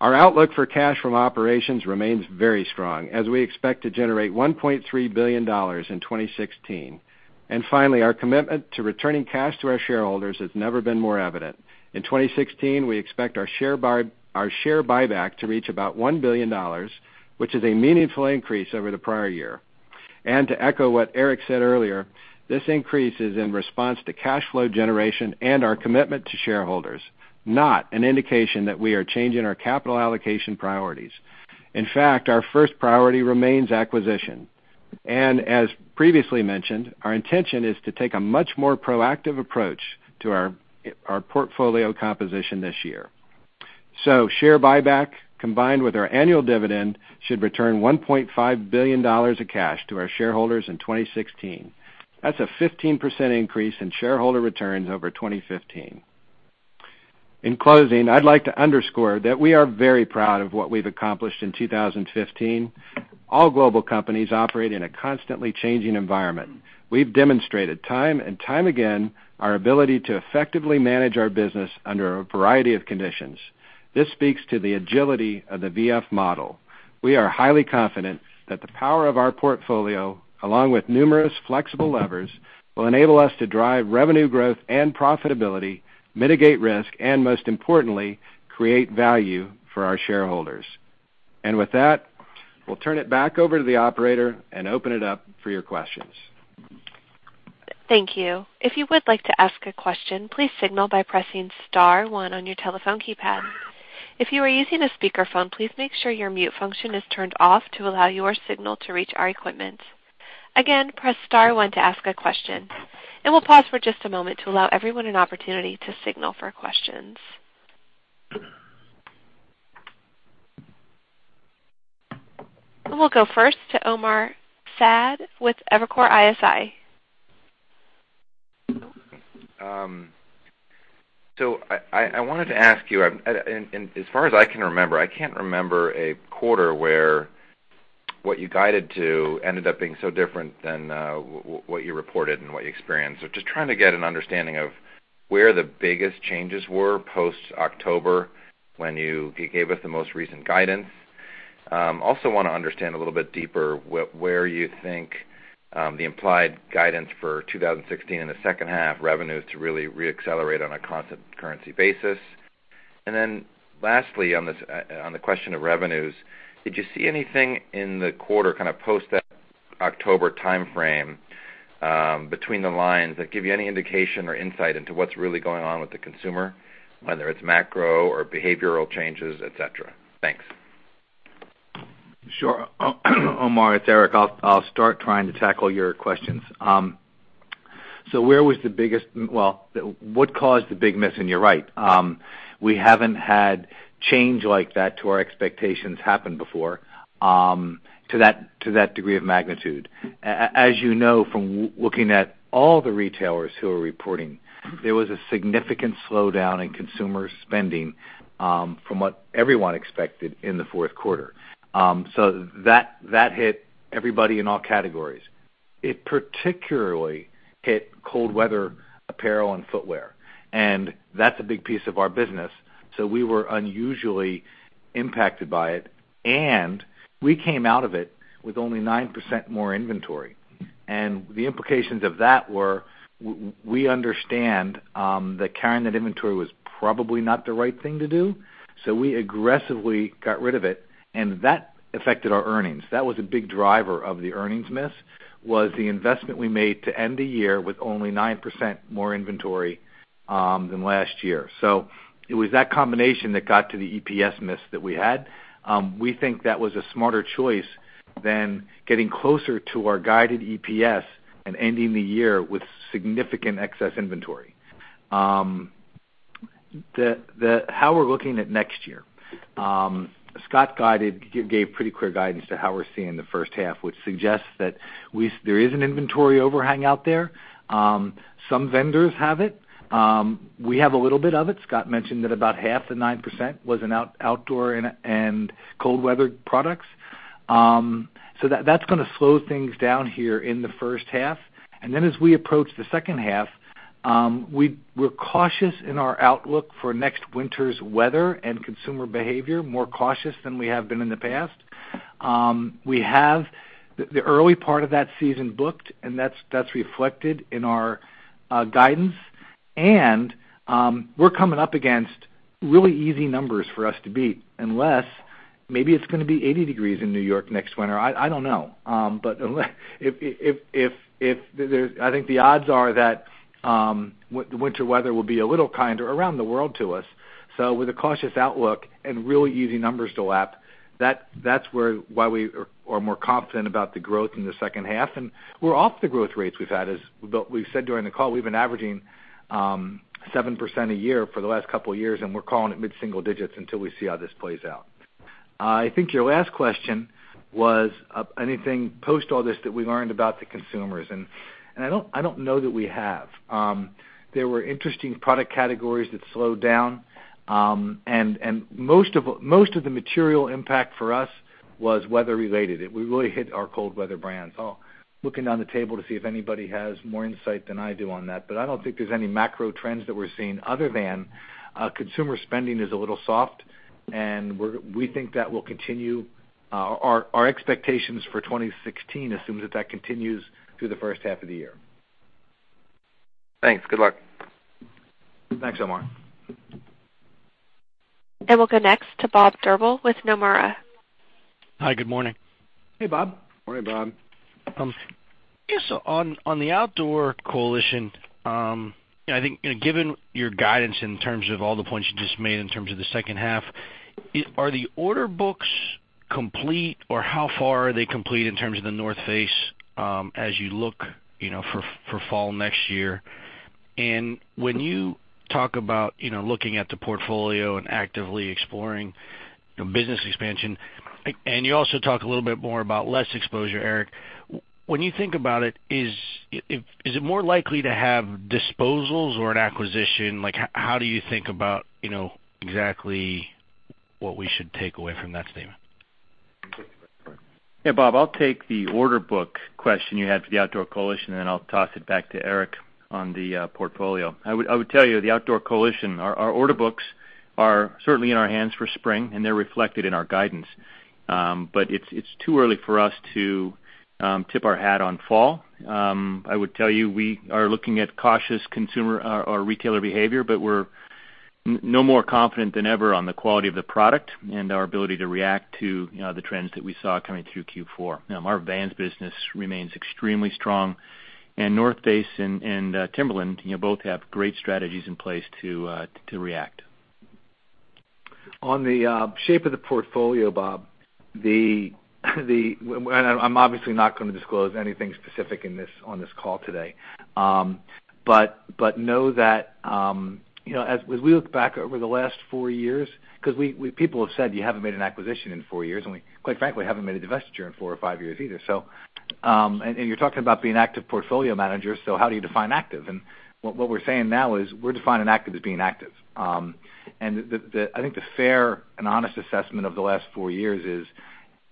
Our outlook for cash from operations remains very strong as we expect to generate $1.3 billion in 2016. Finally, our commitment to returning cash to our shareholders has never been more evident. In 2016, we expect our share buyback to reach about $1 billion, which is a meaningful increase over the prior year. To echo what Eric said earlier, this increase is in response to cash flow generation and our commitment to shareholders, not an indication that we are changing our capital allocation priorities. In fact, our first priority remains acquisition. As previously mentioned, our intention is to take a much more proactive approach to our portfolio composition this year. Share buyback, combined with our annual dividend, should return $1.5 billion of cash to our shareholders in 2016. That's a 15% increase in shareholder returns over 2015. In closing, I'd like to underscore that we are very proud of what we've accomplished in 2015. All global companies operate in a constantly changing environment. We've demonstrated time and time again our ability to effectively manage our business under a variety of conditions. This speaks to the agility of the VF model. We are highly confident that the power of our portfolio, along with numerous flexible levers, will enable us to drive revenue growth and profitability, mitigate risk, and most importantly, create value for our shareholders. With that, we'll turn it back over to the operator and open it up for your questions. Thank you. If you would like to ask a question, please signal by pressing *1 on your telephone keypad. If you are using a speakerphone, please make sure your mute function is turned off to allow your signal to reach our equipment. Again, press *1 to ask a question. We'll pause for just a moment to allow everyone an opportunity to signal for questions. We'll go first to Omar Saad with Evercore ISI. I wanted to ask you, as far as I can remember, I can't remember a quarter where what you guided to ended up being so different than what you reported and what you experienced. Just trying to get an understanding of where the biggest changes were post-October, when you gave us the most recent guidance. Also want to understand a little bit deeper where you think the implied guidance for 2016 in the second half revenues to really re-accelerate on a constant currency basis. Lastly, on the question of revenues, did you see anything in the quarter kind of post that October timeframe between the lines that give you any indication or insight into what's really going on with the consumer, whether it's macro or behavioral changes, et cetera? Thanks. Sure. Omar, it's Eric. I'll start trying to tackle your questions. Where was the biggest, what caused the big miss? You're right. We haven't had change like that to our expectations happen before to that degree of magnitude. As you know from looking at all the retailers who are reporting, there was a significant slowdown in consumer spending from what everyone expected in the fourth quarter. That hit everybody in all categories. It particularly hit cold weather apparel and footwear. That's a big piece of our business, so we were unusually impacted by it. We came out of it with only 9% more inventory. The implications of that were, we understand that carrying that inventory was probably not the right thing to do, so we aggressively got rid of it, and that affected our earnings. That was a big driver of the earnings miss, was the investment we made to end the year with only 9% more inventory than last year. It was that combination that got to the EPS miss that we had. We think that was a smarter choice than getting closer to our guided EPS and ending the year with significant excess inventory. How we're looking at next year. Scott gave pretty clear guidance to how we're seeing the first half, which suggests that there is an inventory overhang out there. Some vendors have it. We have a little bit of it. Scott mentioned that about half the 9% was in outdoor and cold weather products. That's gonna slow things down here in the first half. As we approach the second half, we're cautious in our outlook for next winter's weather and consumer behavior, more cautious than we have been in the past. We have the early part of that season booked, and that's reflected in our guidance. We're coming up against really easy numbers for us to beat unless Maybe it's going to be 80 degrees in New York next winter. I don't know. I think the odds are that winter weather will be a little kinder around the world to us. With a cautious outlook and really easy numbers to lap, that's why we are more confident about the growth in the second half. We're off the growth rates we've had. As we've said during the call, we've been averaging 7% a year for the last couple of years, we're calling it mid-single digits until we see how this plays out. I think your last question was anything post all this that we learned about the consumers, and I don't know that we have. There were interesting product categories that slowed down. Most of the material impact for us was weather related. We really hit our cold weather brands. Looking down the table to see if anybody has more insight than I do on that. I don't think there's any macro trends that we're seeing other than consumer spending is a little soft, and we think that will continue. Our expectations for 2016 assumes that that continues through the first half of the year. Thanks. Good luck. Thanks, Omar. We'll go next to Robert Drbul with Nomura. Hi. Good morning. Hey, Bob. Morning, Bob. On the Outdoor Coalition, I think, given your guidance in terms of all the points you just made in terms of the second half, are the order books complete or how far are they complete in terms of The North Face as you look for fall next year? When you talk about looking at the portfolio and actively exploring business expansion, you also talk a little bit more about less exposure, Eric, when you think about it, is it more likely to have disposals or an acquisition? How do you think about exactly what we should take away from that statement? Bob, I'll take the order book question you had for the Outdoor Coalition, then I'll toss it back to Eric on the portfolio. I would tell you the Outdoor Coalition, our order books are certainly in our hands for spring, they're reflected in our guidance. It's too early for us to tip our hat on fall. I would tell you, we are looking at cautious consumer or retailer behavior, we're no more confident than ever on the quality of the product and our ability to react to the trends that we saw coming through Q4. Our Vans business remains extremely strong, North Face and Timberland both have great strategies in place to react. On the shape of the portfolio, Bob, I'm obviously not going to disclose anything specific on this call today. Know that, as we look back over the last four years, because people have said you haven't made an acquisition in four years, we, quite frankly, haven't made a divestiture in four or five years either. You're talking about being active portfolio managers, how do you define active? What we're saying now is we're defining active as being active. I think the fair and honest assessment of the last four years is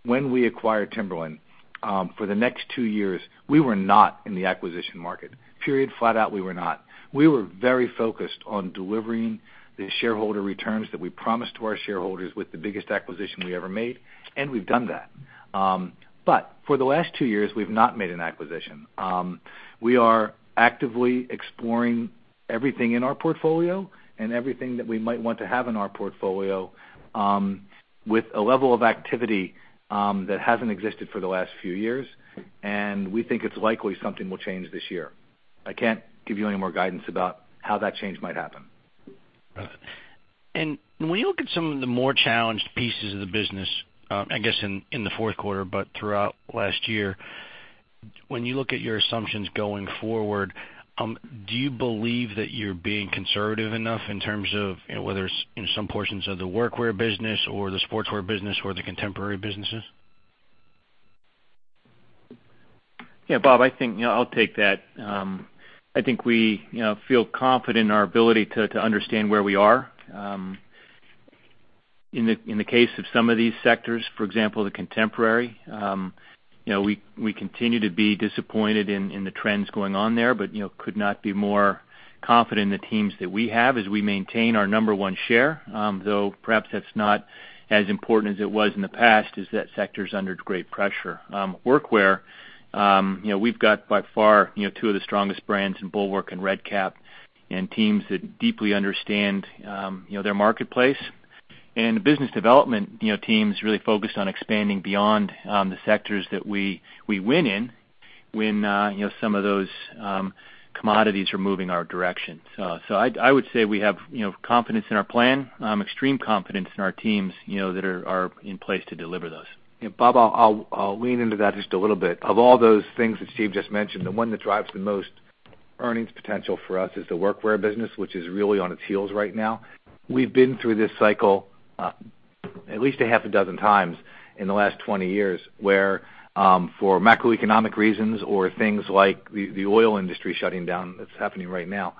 when we acquired Timberland, for the next two years, we were not in the acquisition market, period. Flat out, we were not. We were very focused on delivering the shareholder returns that we promised to our shareholders with the biggest acquisition we ever made, we've done that. For the last two years, we've not made an acquisition. We are actively exploring everything in our portfolio and everything that we might want to have in our portfolio with a level of activity that hasn't existed for the last few years. We think it's likely something will change this year. I can't give you any more guidance about how that change might happen. Got it. When you look at some of the more challenged pieces of the business, I guess, in the fourth quarter, throughout last year, when you look at your assumptions going forward, do you believe that you're being conservative enough in terms of whether it's in some portions of the workwear business or the Sportswear business or the contemporary businesses? Bob, I'll take that. I think we feel confident in our ability to understand where we are. In the case of some of these sectors, for example, the Contemporary, we continue to be disappointed in the trends going on there, could not be more confident in the teams that we have as we maintain our number 1 share. Though perhaps that's not as important as it was in the past, as that sector's under great pressure. Workwear, we've got by far two of the strongest brands in Bulwark and Red Kap, teams that deeply understand their marketplace. The business development team's really focused on expanding beyond the sectors that we win in when some of those commodities are moving our direction. I would say we have confidence in our plan, extreme confidence in our teams that are in place to deliver those. Bob, I'll lean into that just a little bit. Of all those things that Steve just mentioned, the one that drives the most earnings potential for us is the workwear business, which is really on its heels right now. We've been through this cycle at least a half a dozen times in the last 20 years, where for macroeconomic reasons or things like the oil industry shutting down, that's happening right now,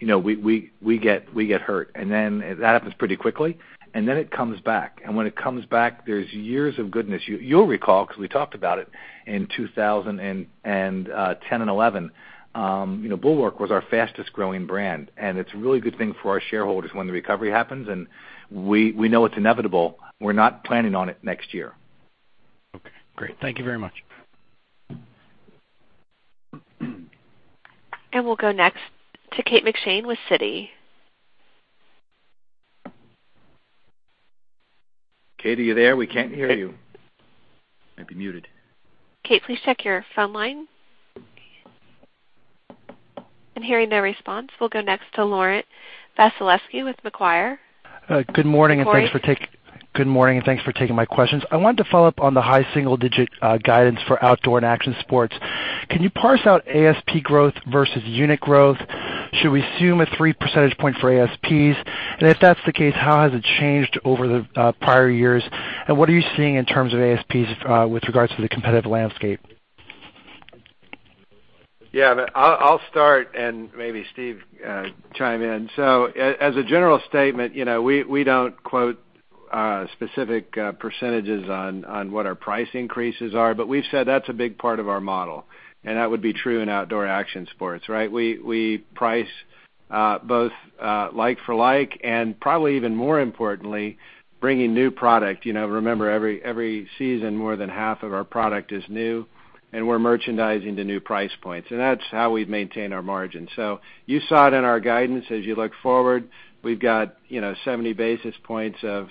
we get hurt. Then that happens pretty quickly, then it comes back. When it comes back, there's years of goodness. You'll recall, because we talked about it in 2010 and 2011. Bulwark was our fastest growing brand, and it's a really good thing for our shareholders when the recovery happens, and we know it's inevitable. We're not planning on it next year. Okay, great. Thank you very much. We'll go next to Kate McShane with Citi. Kate, are you there? We can't hear you. Might be muted. Kate, please check your phone line. I'm hearing no response. We'll go next to Lauren Vasilescu with Macquarie. Good morning. Thanks for taking my questions. I wanted to follow up on the high single-digit guidance for Outdoor and Action Sports. Can you parse out ASP growth versus unit growth? Should we assume a three percentage point for ASPs? If that's the case, how has it changed over the prior years? What are you seeing in terms of ASPs with regards to the competitive landscape? I'll start and maybe Steve chime in. As a general statement, we don't quote specific percentages on what our price increases are, but we've said that's a big part of our model, and that would be true in Outdoor Action Sports, right? We price both like for like, and probably even more importantly, bringing new product. Remember, every season, more than half of our product is new, and we're merchandising to new price points, and that's how we maintain our margin. You saw it in our guidance. As you look forward, we've got 70 basis points of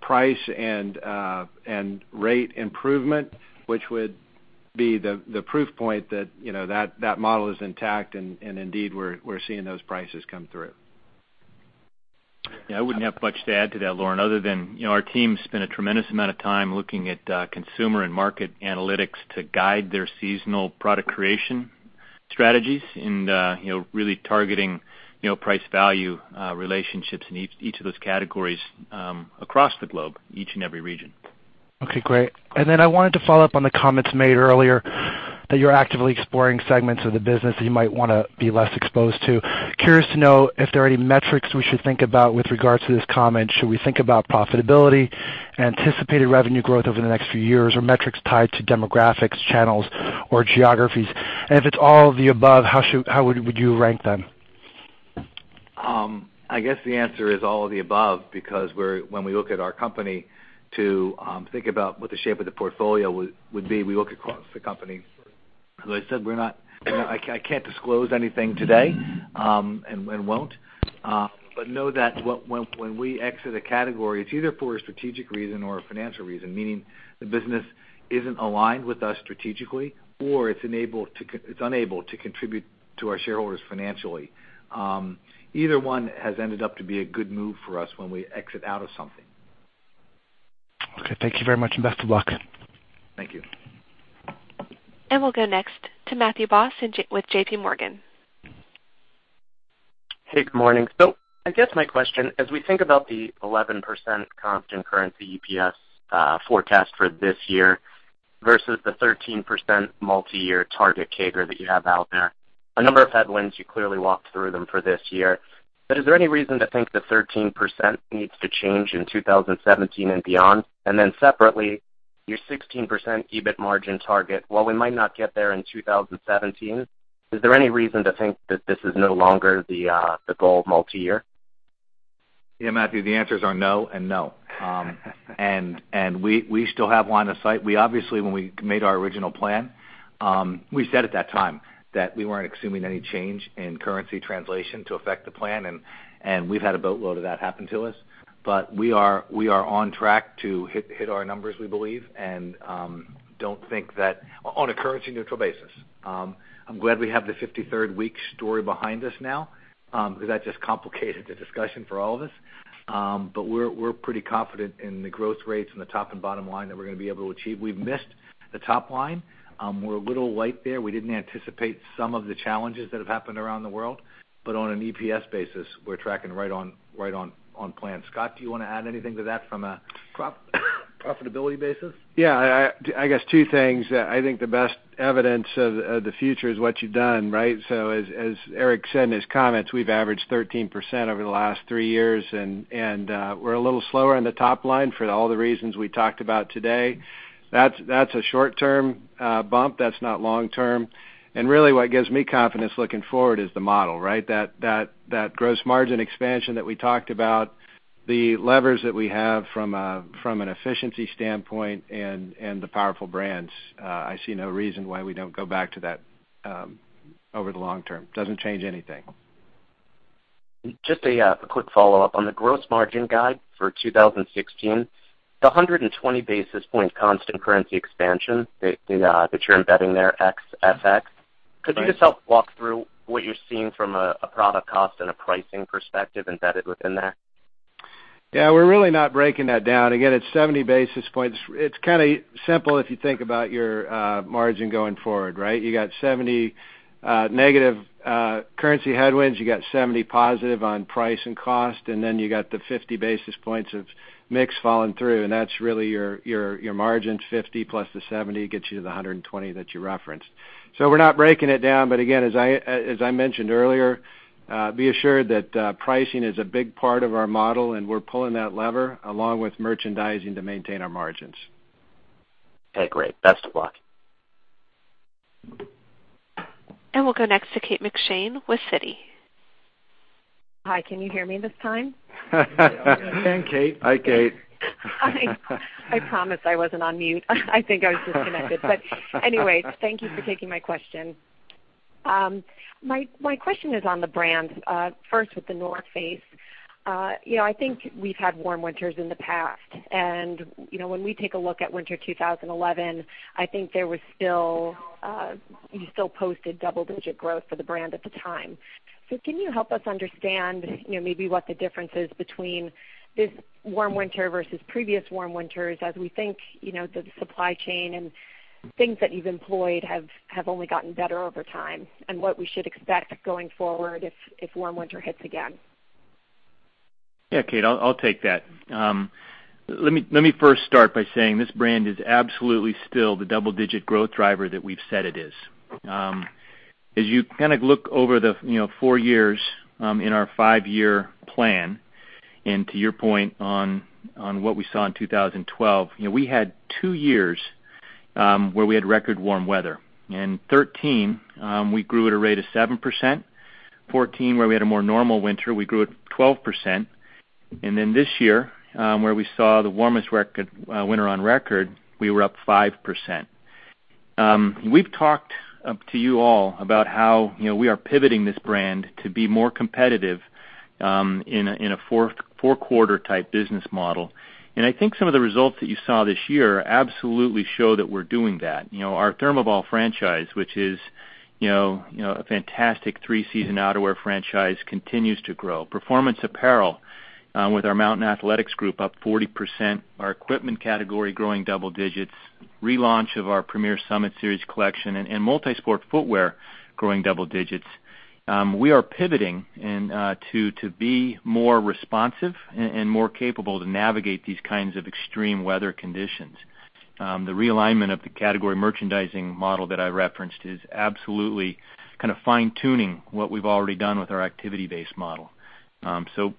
price and rate improvement, which would be the proof point that model is intact, and indeed, we're seeing those prices come through. I wouldn't have much to add to that, Lauren, other than our team spent a tremendous amount of time looking at consumer and market analytics to guide their seasonal product creation strategies and really targeting price value relationships in each of those categories across the globe, each and every region. Okay, great. I wanted to follow up on the comments made earlier that you're actively exploring segments of the business that you might want to be less exposed to. Curious to know if there are any metrics we should think about with regards to this comment. Should we think about profitability and anticipated revenue growth over the next few years, or metrics tied to demographics, channels, or geographies? If it's all of the above, how would you rank them? I guess the answer is all of the above because when we look at our company to think about what the shape of the portfolio would be, we look across the company. As I said, I can't disclose anything today and won't. Know that when we exit a category, it's either for a strategic reason or a financial reason, meaning the business isn't aligned with us strategically, or it's unable to contribute to our shareholders financially. Either one has ended up to be a good move for us when we exit out of something. Okay, thank you very much. Best of luck. Thank you. We'll go next to Matthew Boss with J.P. Morgan. Hey, good morning. I guess my question, as we think about the 11% constant currency EPS forecast for this year versus the 13% multi-year target CAGR that you have out there, a number of headwinds, you clearly walked through them for this year. Is there any reason to think the 13% needs to change in 2017 and beyond? Separately, your 16% EBIT margin target, while we might not get there in 2017, is there any reason to think that this is no longer the goal multi-year? Yeah, Matthew, the answers are no and no. We still have line of sight. Obviously, when we made our original plan, we said at that time that we weren't assuming any change in currency translation to affect the plan, and we've had a boatload of that happen to us. We are on track to hit our numbers, we believe, on a currency-neutral basis. I'm glad we have the 53rd week story behind us now, because that just complicated the discussion for all of us. We're pretty confident in the growth rates and the top and bottom line that we're going to be able to achieve. We've missed the top line. We're a little light there. We didn't anticipate some of the challenges that have happened around the world. On an EPS basis, we're tracking right on plan. Scott, do you want to add anything to that from a profitability basis? Yeah. I guess two things. I think the best evidence of the future is what you've done, right? As Eric said in his comments, we've averaged 13% over the last three years, and we're a little slower on the top line for all the reasons we talked about today. That's a short-term bump. That's not long term. Really, what gives me confidence looking forward is the model, right? That gross margin expansion that we talked about, the levers that we have from an efficiency standpoint and the powerful brands. I see no reason why we don't go back to that over the long term. Doesn't change anything. Just a quick follow-up. On the gross margin guide for 2016, the 120 basis point constant currency expansion that you're embedding there, ex FX. Could you just help walk through what you're seeing from a product cost and a pricing perspective embedded within that? Yeah, we're really not breaking that down. It's 70 basis points. It's kind of simple if you think about your margin going forward, right? You got 70 negative currency headwinds, you got 70 positive on price and cost, and then you got the 50 basis points of mix falling through, and that's really your margin. 50 plus the 70 gets you to the 120 that you referenced. We're not breaking it down, but again, as I mentioned earlier, be assured that pricing is a big part of our model, and we're pulling that lever along with merchandising to maintain our margins. Okay, great. Best of luck. We'll go next to Kate McShane with Citi. Hi, can you hear me this time? Hi, Kate. Hi, Kate. Hi. I promise I wasn't on mute. I think I was disconnected. Anyway, thank you for taking my question. My question is on the brands. First, with The North Face. I think we've had warm winters in the past. When we take a look at winter 2011, I think you still posted double-digit growth for the brand at the time. Can you help us understand maybe what the difference is between this warm winter versus previous warm winters as we think the supply chain and things that you've employed have only gotten better over time, and what we should expect going forward if warm winter hits again? Kate, I'll take that. Let me first start by saying this brand is absolutely still the double-digit growth driver that we've said it is. As you look over the four years in our five-year plan, and to your point on what we saw in 2012, we had two years where we had record warm weather. In 2013, we grew at a rate of 7%. 2014, where we had a more normal winter, we grew at 12%. This year, where we saw the warmest winter on record, we were up 5%. We've talked to you all about how we are pivoting this brand to be more competitive in a four-quarter type business model. I think some of the results that you saw this year absolutely show that we're doing that. Our ThermoBall franchise, which is a fantastic three-season outerwear franchise, continues to grow. Performance apparel with our Mountain Athletics up 40%, our equipment category growing double digits, relaunch of our premier Summit Series collection, and multi-sport footwear growing double digits. We are pivoting to be more responsive and more capable to navigate these kinds of extreme weather conditions. The realignment of the category merchandising model that I referenced is absolutely fine-tuning what we've already done with our activity-based model.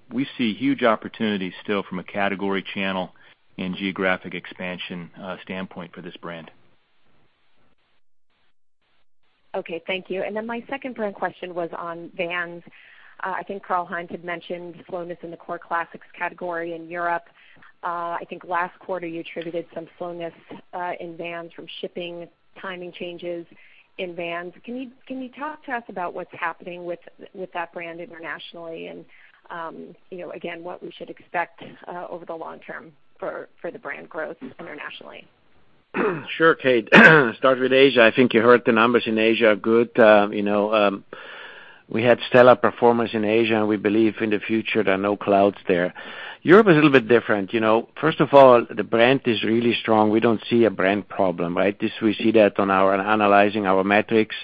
We see huge opportunities still from a category channel and geographic expansion standpoint for this brand. Okay, thank you. My second brand question was on Vans. I think Karl-Heinz had mentioned slowness in the core classics category in Europe. I think last quarter you attributed some slowness in Vans from shipping timing changes in Vans. Can you talk to us about what's happening with that brand internationally and, again, what we should expect over the long term for the brand growth internationally? Sure, Kate. Start with Asia. I think you heard the numbers in Asia are good. We had stellar performance in Asia. We believe in the future there are no clouds there. Europe is a little bit different. First of all, the brand is really strong. We don't see a brand problem, right? We see that on our analyzing our metrics.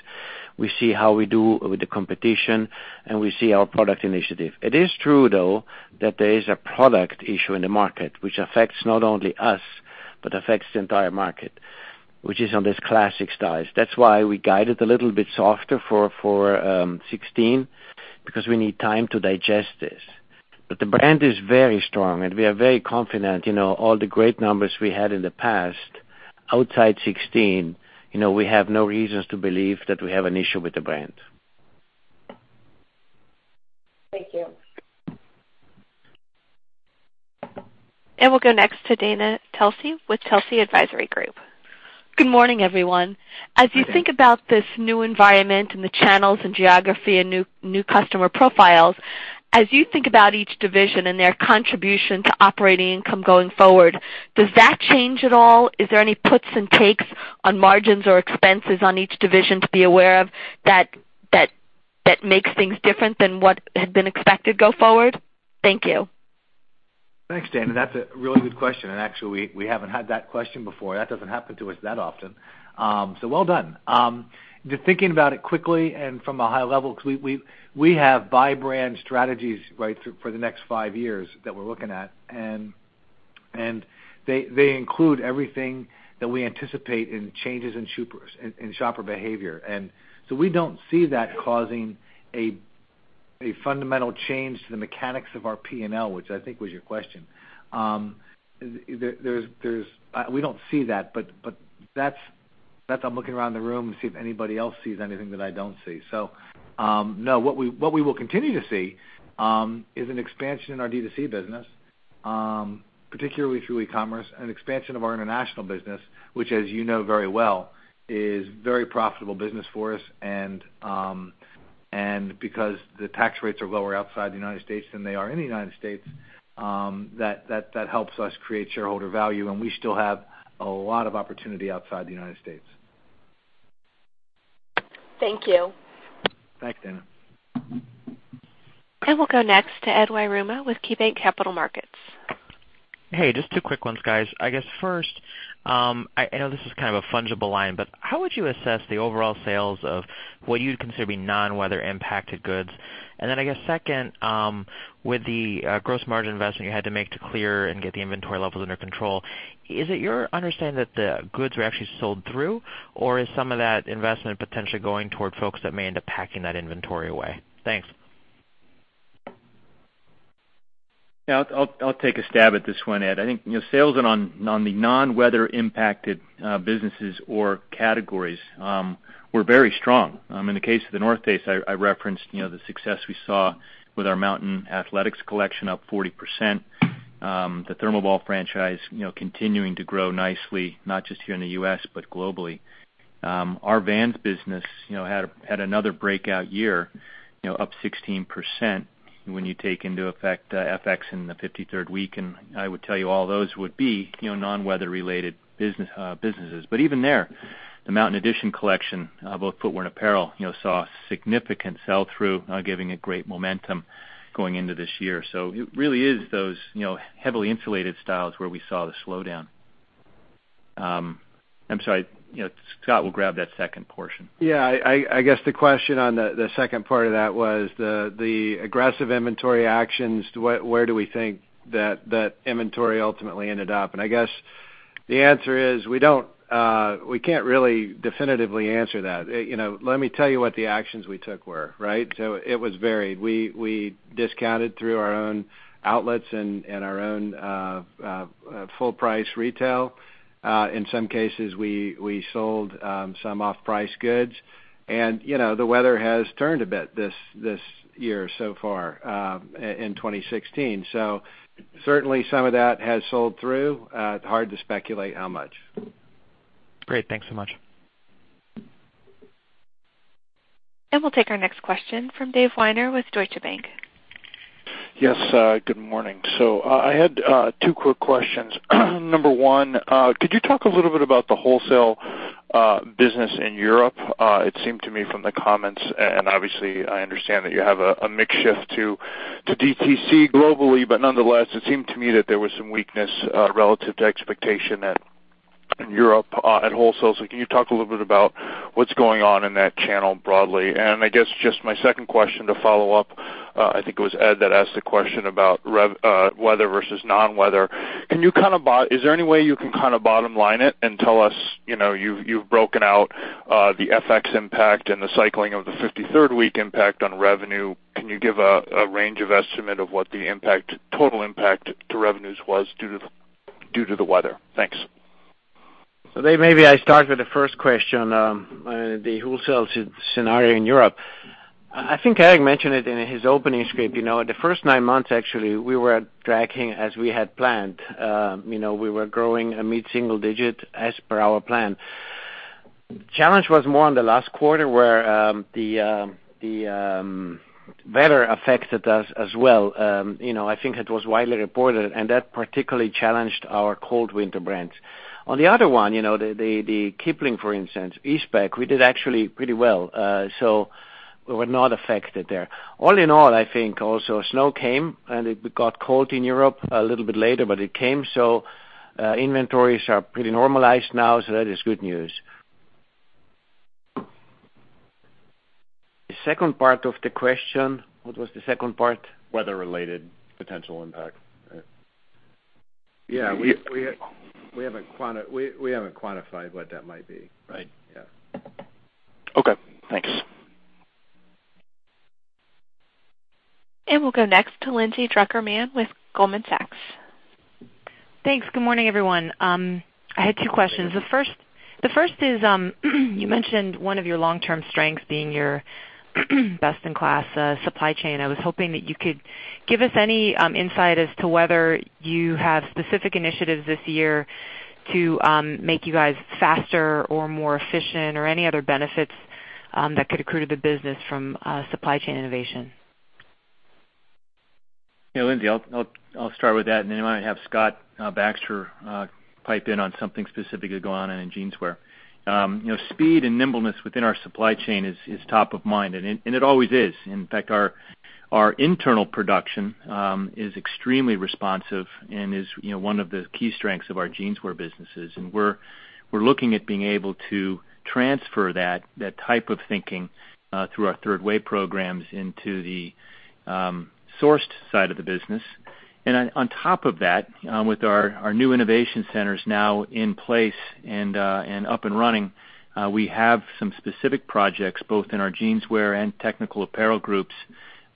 We see how we do with the competition. We see our product initiative. It is true, though, that there is a product issue in the market, which affects not only us, but affects the entire market, which is on these classic styles. That is why we guided a little bit softer for 2016, because we need time to digest this. The brand is very strong. We are very confident all the great numbers we had in the past, outside 2016, we have no reasons to believe that we have an issue with the brand. Thank you. We'll go next to Dana Telsey with Telsey Advisory Group. Good morning, everyone. Good morning. As you think about this new environment and the channels and geography and new customer profiles, as you think about each division and their contribution to operating income going forward, does that change at all? Is there any puts and takes on margins or expenses on each division to be aware of that makes things different than what had been expected go forward? Thank you. Thanks, Dana. That's a really good question. Actually, we haven't had that question before. That doesn't happen to us that often. Well done. Just thinking about it quickly and from a high level, because we have by-brand strategies for the next 5 years that we're looking at. They include everything that we anticipate in changes in shopper behavior. We don't see that causing a fundamental change to the mechanics of our P&L, which I think was your question. We don't see that, but I'm looking around the room to see if anybody else sees anything that I don't see. No. What we will continue to see is an expansion in our D2C business, particularly through e-commerce. Expansion of our international business, which as you know very well, is very profitable business for us. Because the tax rates are lower outside the United States than they are in the United States, that helps us create shareholder value. We still have a lot of opportunity outside the United States. Thank you. Thanks, Dana. We'll go next to Edward Yruma with KeyBanc Capital Markets. Hey, just two quick ones, guys. I guess first, I know this is kind of a fungible line, but how would you assess the overall sales of what you'd consider to be non-weather impacted goods? Then I guess second, with the gross margin investment you had to make to clear and get the inventory levels under control, is it your understanding that the goods were actually sold through, or is some of that investment potentially going toward folks that may end up packing that inventory away? Thanks. Yeah. I'll take a stab at this one, Ed. I think, sales on the non-weather impacted businesses or categories were very strong. In the case of The North Face, I referenced the success we saw with our Mountain Athletics collection up 40%. The ThermoBall franchise continuing to grow nicely, not just here in the U.S., but globally. Our Vans business had another breakout year, up 16%, when you take into effect the FX and the 53rd week. I would tell you all those would be non-weather related businesses. But even there, the Mountain Edition collection, both footwear and apparel, saw significant sell-through, giving it great momentum going into this year. It really is those heavily insulated styles where we saw the slowdown. I'm sorry, Scott will grab that second portion. I guess the question on the second part of that was the aggressive inventory actions, where do we think that inventory ultimately ended up? I guess the answer is we can't really definitively answer that. Let me tell you what the actions we took were. It was varied. We discounted through our own outlets and our own full price retail. In some cases, we sold some off-price goods. The weather has turned a bit this year so far, in 2016. Certainly some of that has sold through. Hard to speculate how much. Great. Thanks so much. We'll take our next question from Dave Weiner with Deutsche Bank. Yes. Good morning. I had 2 quick questions. Number 1, could you talk a little bit about the wholesale business in Europe? It seemed to me from the comments, obviously, I understand that you have a mix shift to D2C globally. Nonetheless, it seemed to me that there was some weakness relative to expectation in Europe at wholesale. Can you talk a little bit about what's going on in that channel broadly? I guess just my second question to follow up, I think it was Ed that asked the question about weather versus non-weather. Is there any way you can bottom line it and tell us, you've broken out the FX impact and the cycling of the 53rd week impact on revenue. Can you give a range of estimate of what the total impact to revenues was due to the weather? Thanks. Dave, maybe I start with the first question, the wholesale scenario in Europe. I think Eric mentioned it in his opening script. The first nine months, actually, we were tracking as we had planned. We were growing a mid-single digit as per our plan. Challenge was more on the last quarter, where the weather affected us as well. I think it was widely reported, and that particularly challenged our cold weather brands. On the other one, the Kipling, for instance, Eastpak, we did actually pretty well, we were not affected there. All in all, I think also snow came, and it got cold in Europe a little bit later, but it came, inventories are pretty normalized now, that is good news. The second part of the question, what was the second part? Weather-related potential impact. Yeah. We haven't quantified what that might be. Right. Yeah. Okay, thanks. We'll go next to Lindsay Drucker Mann with Goldman Sachs. Thanks. Good morning, everyone. I had two questions. The first is, you mentioned one of your long-term strengths being your best-in-class supply chain. I was hoping that you could give us any insight as to whether you have specific initiatives this year to make you guys faster or more efficient or any other benefits that could accrue to the business from supply chain innovation. Lindsay, I'll start with that, and then I might have Scott Baxter pipe in on something specific going on in Jeanswear. Speed and nimbleness within our supply chain is top of mind, and it always is. In fact, our internal production is extremely responsive and is one of the key strengths of our Jeanswear businesses. We're looking at being able to transfer that type of thinking through our Third Way programs into the sourced side of the business. On top of that, with our new innovation centers now in place and up and running, we have some specific projects both in our Jeanswear and technical apparel groups,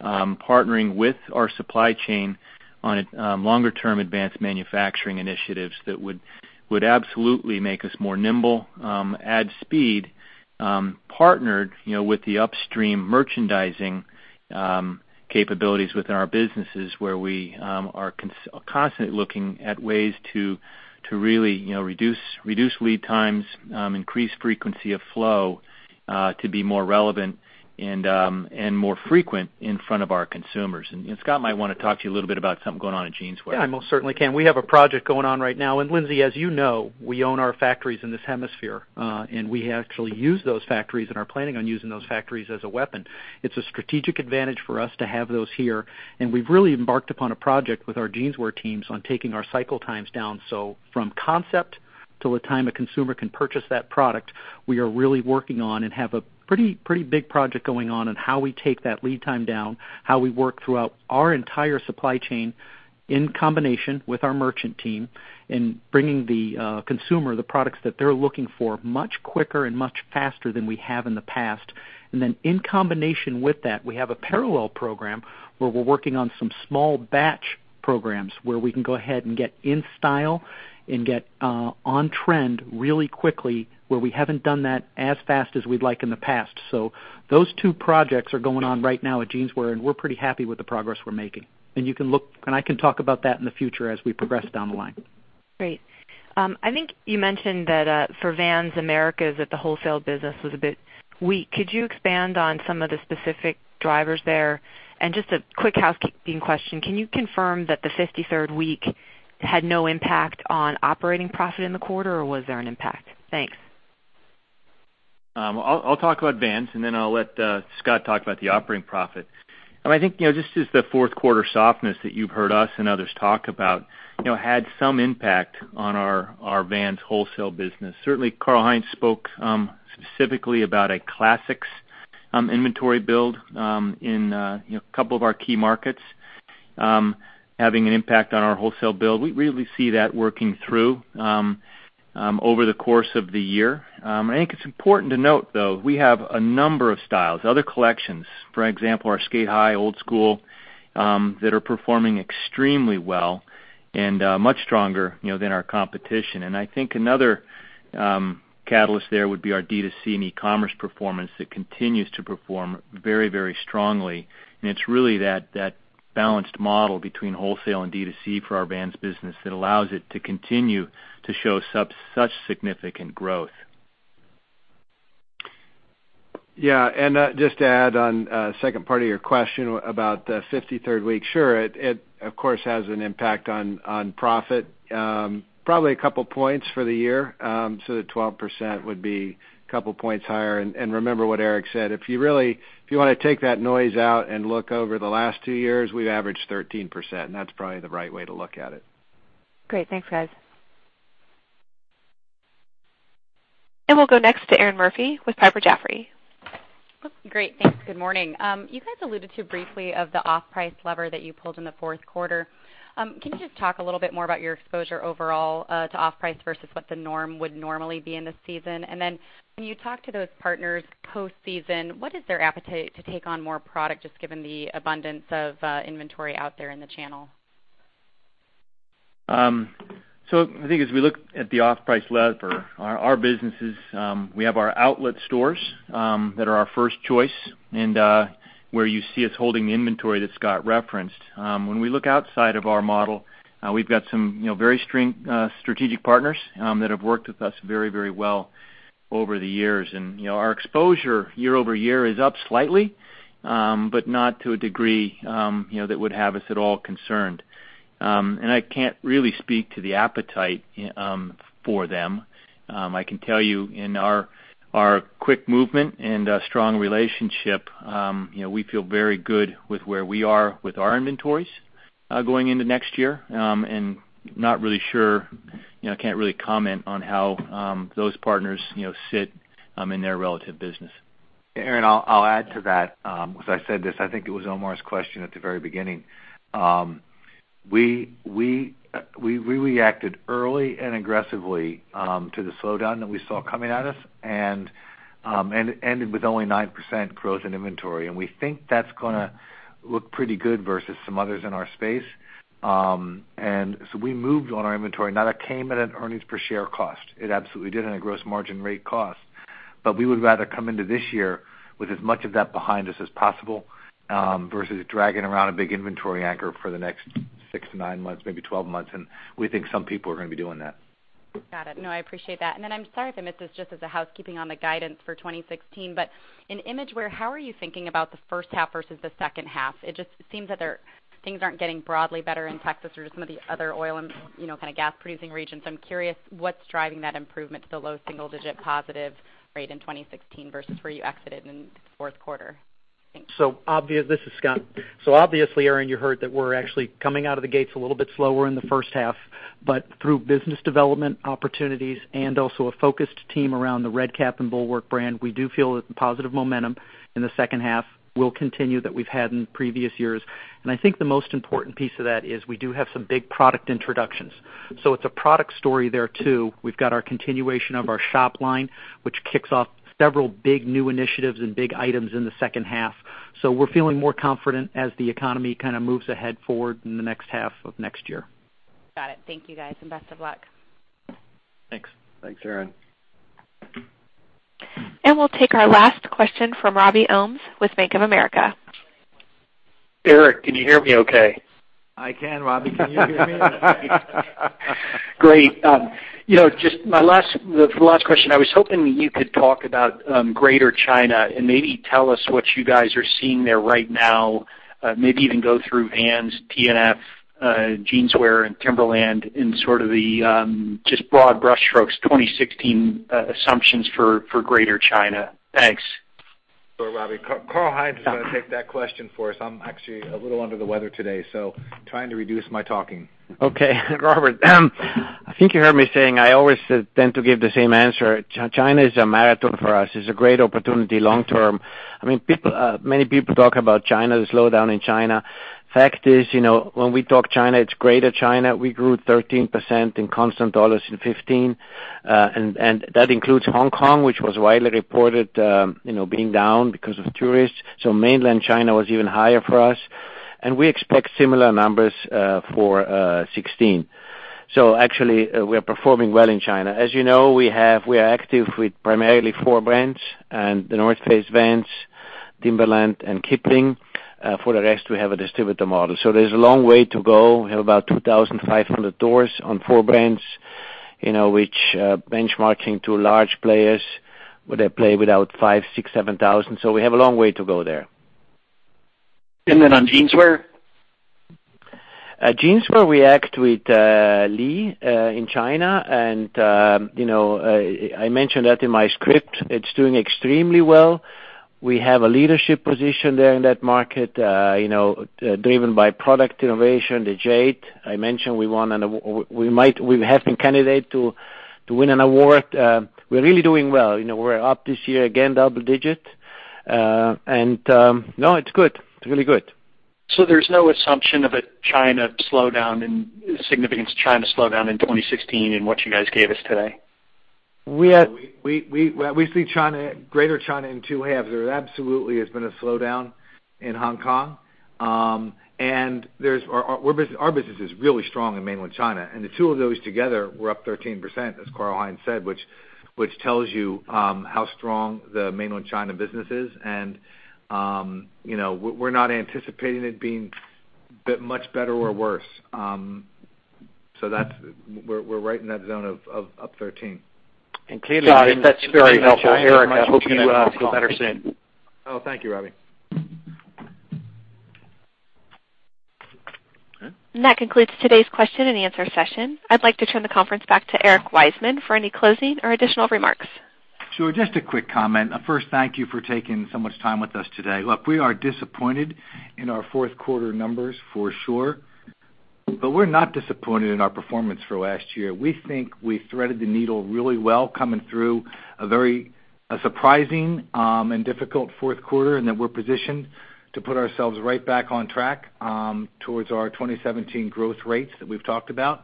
partnering with our supply chain on longer term advanced manufacturing initiatives that would absolutely make us more nimble, add speed, partnered with the upstream merchandising capabilities within our businesses where we are constantly looking at ways to really reduce lead times, increase frequency of flow to be more relevant and more frequent in front of our consumers. Scott might want to talk to you a little bit about something going on in Jeanswear. Yeah, I most certainly can. We have a project going on right now. Lindsay, as you know, we own our factories in this hemisphere, and we actually use those factories and are planning on using those factories as a weapon It's a strategic advantage for us to have those here. We've really embarked upon a project with our Jeanswear teams on taking our cycle times down. From concept to the time a consumer can purchase that product, we are really working on and have a pretty big project going on in how we take that lead time down, how we work throughout our entire supply chain in combination with our merchant team in bringing the consumer the products that they're looking for much quicker and much faster than we have in the past. In combination with that, we have a parallel program where we're working on some small batch programs where we can go ahead and get in style and get on trend really quickly, where we haven't done that as fast as we'd like in the past. Those two projects are going on right now at Jeanswear, and we're pretty happy with the progress we're making. I can talk about that in the future as we progress down the line. Great. I think you mentioned that for Vans Americas, that the wholesale business was a bit weak. Could you expand on some of the specific drivers there? Just a quick housekeeping question. Can you confirm that the 53rd week had no impact on operating profit in the quarter, or was there an impact? Thanks. I'll talk about Vans, then I'll let Scott talk about the operating profit. I think, just as the fourth quarter softness that you've heard us and others talk about, had some impact on our Vans wholesale business. Certainly, Karl-Heinz spoke specifically about a classics inventory build in a couple of our key markets having an impact on our wholesale build. We really see that working through over the course of the year. I think it's important to note, though, we have a number of styles, other collections, for example, our SK8-Hi, Old Skool, that are performing extremely well and much stronger than our competition. I think another catalyst there would be our D2C and e-commerce performance that continues to perform very strongly. It's really that balanced model between wholesale and D2C for our Vans business that allows it to continue to show such significant growth. Just to add on the second part of your question about the 53rd week. Sure. It, of course, has an impact on profit. Probably a couple points for the year. The 12% would be a couple points higher. Remember what Eric said, if you want to take that noise out and look over the last two years, we've averaged 13%, and that's probably the right way to look at it. Great. Thanks, guys. We'll go next to Erinn Murphy with Piper Jaffray. Great. Thanks. Good morning. You guys alluded to briefly of the off-price lever that you pulled in the fourth quarter. Can you just talk a little bit more about your exposure overall to off-price versus what the norm would normally be in the season? Then when you talk to those partners post-season, what is their appetite to take on more product, just given the abundance of inventory out there in the channel? I think as we look at the off-price lever, our businesses, we have our outlet stores that are our first choice and where you see us holding the inventory that Scott referenced. When we look outside of our model, we've got some very strategic partners that have worked with us very well over the years. Our exposure year-over-year is up slightly but not to a degree that would have us at all concerned. I can't really speak to the appetite for them. I can tell you in our quick movement and strong relationship, we feel very good with where we are with our inventories going into next year. Not really sure, can't really comment on how those partners sit in their relative business. Erinn, I'll add to that. As I said this, I think it was Omar's question at the very beginning. We reacted early and aggressively to the slowdown that we saw coming at us and it ended with only 9% gross in inventory. We think that's going to look pretty good versus some others in our space. We moved on our inventory. Now that came at an earnings per share cost. It absolutely did in a gross margin rate cost. We would rather come into this year with as much of that behind us as possible, versus dragging around a big inventory anchor for the next six to nine months, maybe 12 months. We think some people are going to be doing that. Got it. No, I appreciate that. Then I'm sorry if I missed this, just as a housekeeping on the guidance for 2016. In Imagewear, how are you thinking about the first half versus the second half? It just seems that things aren't getting broadly better in Texas or some of the other oil and gas producing regions. I'm curious what's driving that improvement to the low single-digit positive rate in 2016 versus where you exited in the fourth quarter. Thanks. This is Scott. Obviously, Erinn, you heard that we're actually coming out of the gates a little bit slower in the first half. Through business development opportunities and also a focused team around the Red Kap and Bulwark brand, we do feel a positive momentum in the second half will continue that we've had in previous years. I think the most important piece of that is we do have some big product introductions. It's a product story there, too. We've got our continuation of our Shop Gear, which kicks off several big new initiatives and big items in the second half. We're feeling more confident as the economy kind of moves ahead forward in the next half of next year. Got it. Thank you, guys, and best of luck. Thanks. Thanks, Erinn. We'll take our last question from Robert Ohmes with Bank of America. Eric, can you hear me okay? I can, Robbie. Can you hear me? Great. For the last question, I was hoping you could talk about Greater China and maybe tell us what you guys are seeing there right now. Maybe even go through Vans, TNF, Jeanswear, and Timberland in sort of the just broad brush strokes 2016 assumptions for Greater China. Thanks. Sure, Robbie. Karl-Heinz is going to take that question for us. I'm actually a little under the weather today, so trying to reduce my talking. Okay, Robbie. I think you heard me saying, I always tend to give the same answer. China is a marathon for us. It's a great opportunity long-term. Many people talk about China, the slowdown in China. Fact is, when we talk China, it's greater China. We grew 13% in constant dollars in 2015. That includes Hong Kong, which was widely reported being down because of tourists. Mainland China was even higher for us. We expect similar numbers for 2016. Actually, we are performing well in China. As you know, we are active with primarily four brands, The North Face, Vans, Timberland, and Kipling. For the rest, we have a distributor model. There's a long way to go. We have about 2,500 doors on four brands, which benchmarking to large players, they play without 5,000, 6,000, 7,000. We have a long way to go there. On Jeanswear? Jeanswear, we act with Lee in China. I mentioned that in my script. It's doing extremely well. We have a leadership position there in that market, driven by product innovation. The Jade, I mentioned we have been candidate to win an award. We're really doing well. We're up this year, again, double digit. No, it's good. It's really good. There's no assumption of a significant China slowdown in 2016 in what you guys gave us today? We see greater China in two halves. There absolutely has been a slowdown in Hong Kong. Our business is really strong in mainland China. The two of those together were up 13%, as Karl-Heinz said, which tells you how strong the mainland China business is. We're not anticipating it being much better or worse. We're right in that zone of up 13%. Clearly. That's very helpful. Eric, I hope you feel better soon. Oh, thank you, Robbie. That concludes today's question and answer session. I'd like to turn the conference back to Eric Wiseman for any closing or additional remarks. Sure. Just a quick comment. First, thank you for taking so much time with us today. Look, we are disappointed in our fourth quarter numbers for sure, but we're not disappointed in our performance for last year. We think we threaded the needle really well coming through a surprising and difficult fourth quarter, and that we're positioned to put ourselves right back on track towards our 2017 growth rates that we've talked about.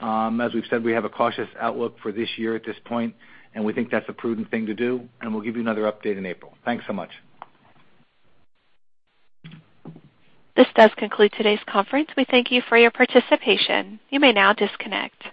As we've said, we have a cautious outlook for this year at this point, and we think that's a prudent thing to do, and we'll give you another update in April. Thanks so much. This does conclude today's conference. We thank you for your participation. You may now disconnect.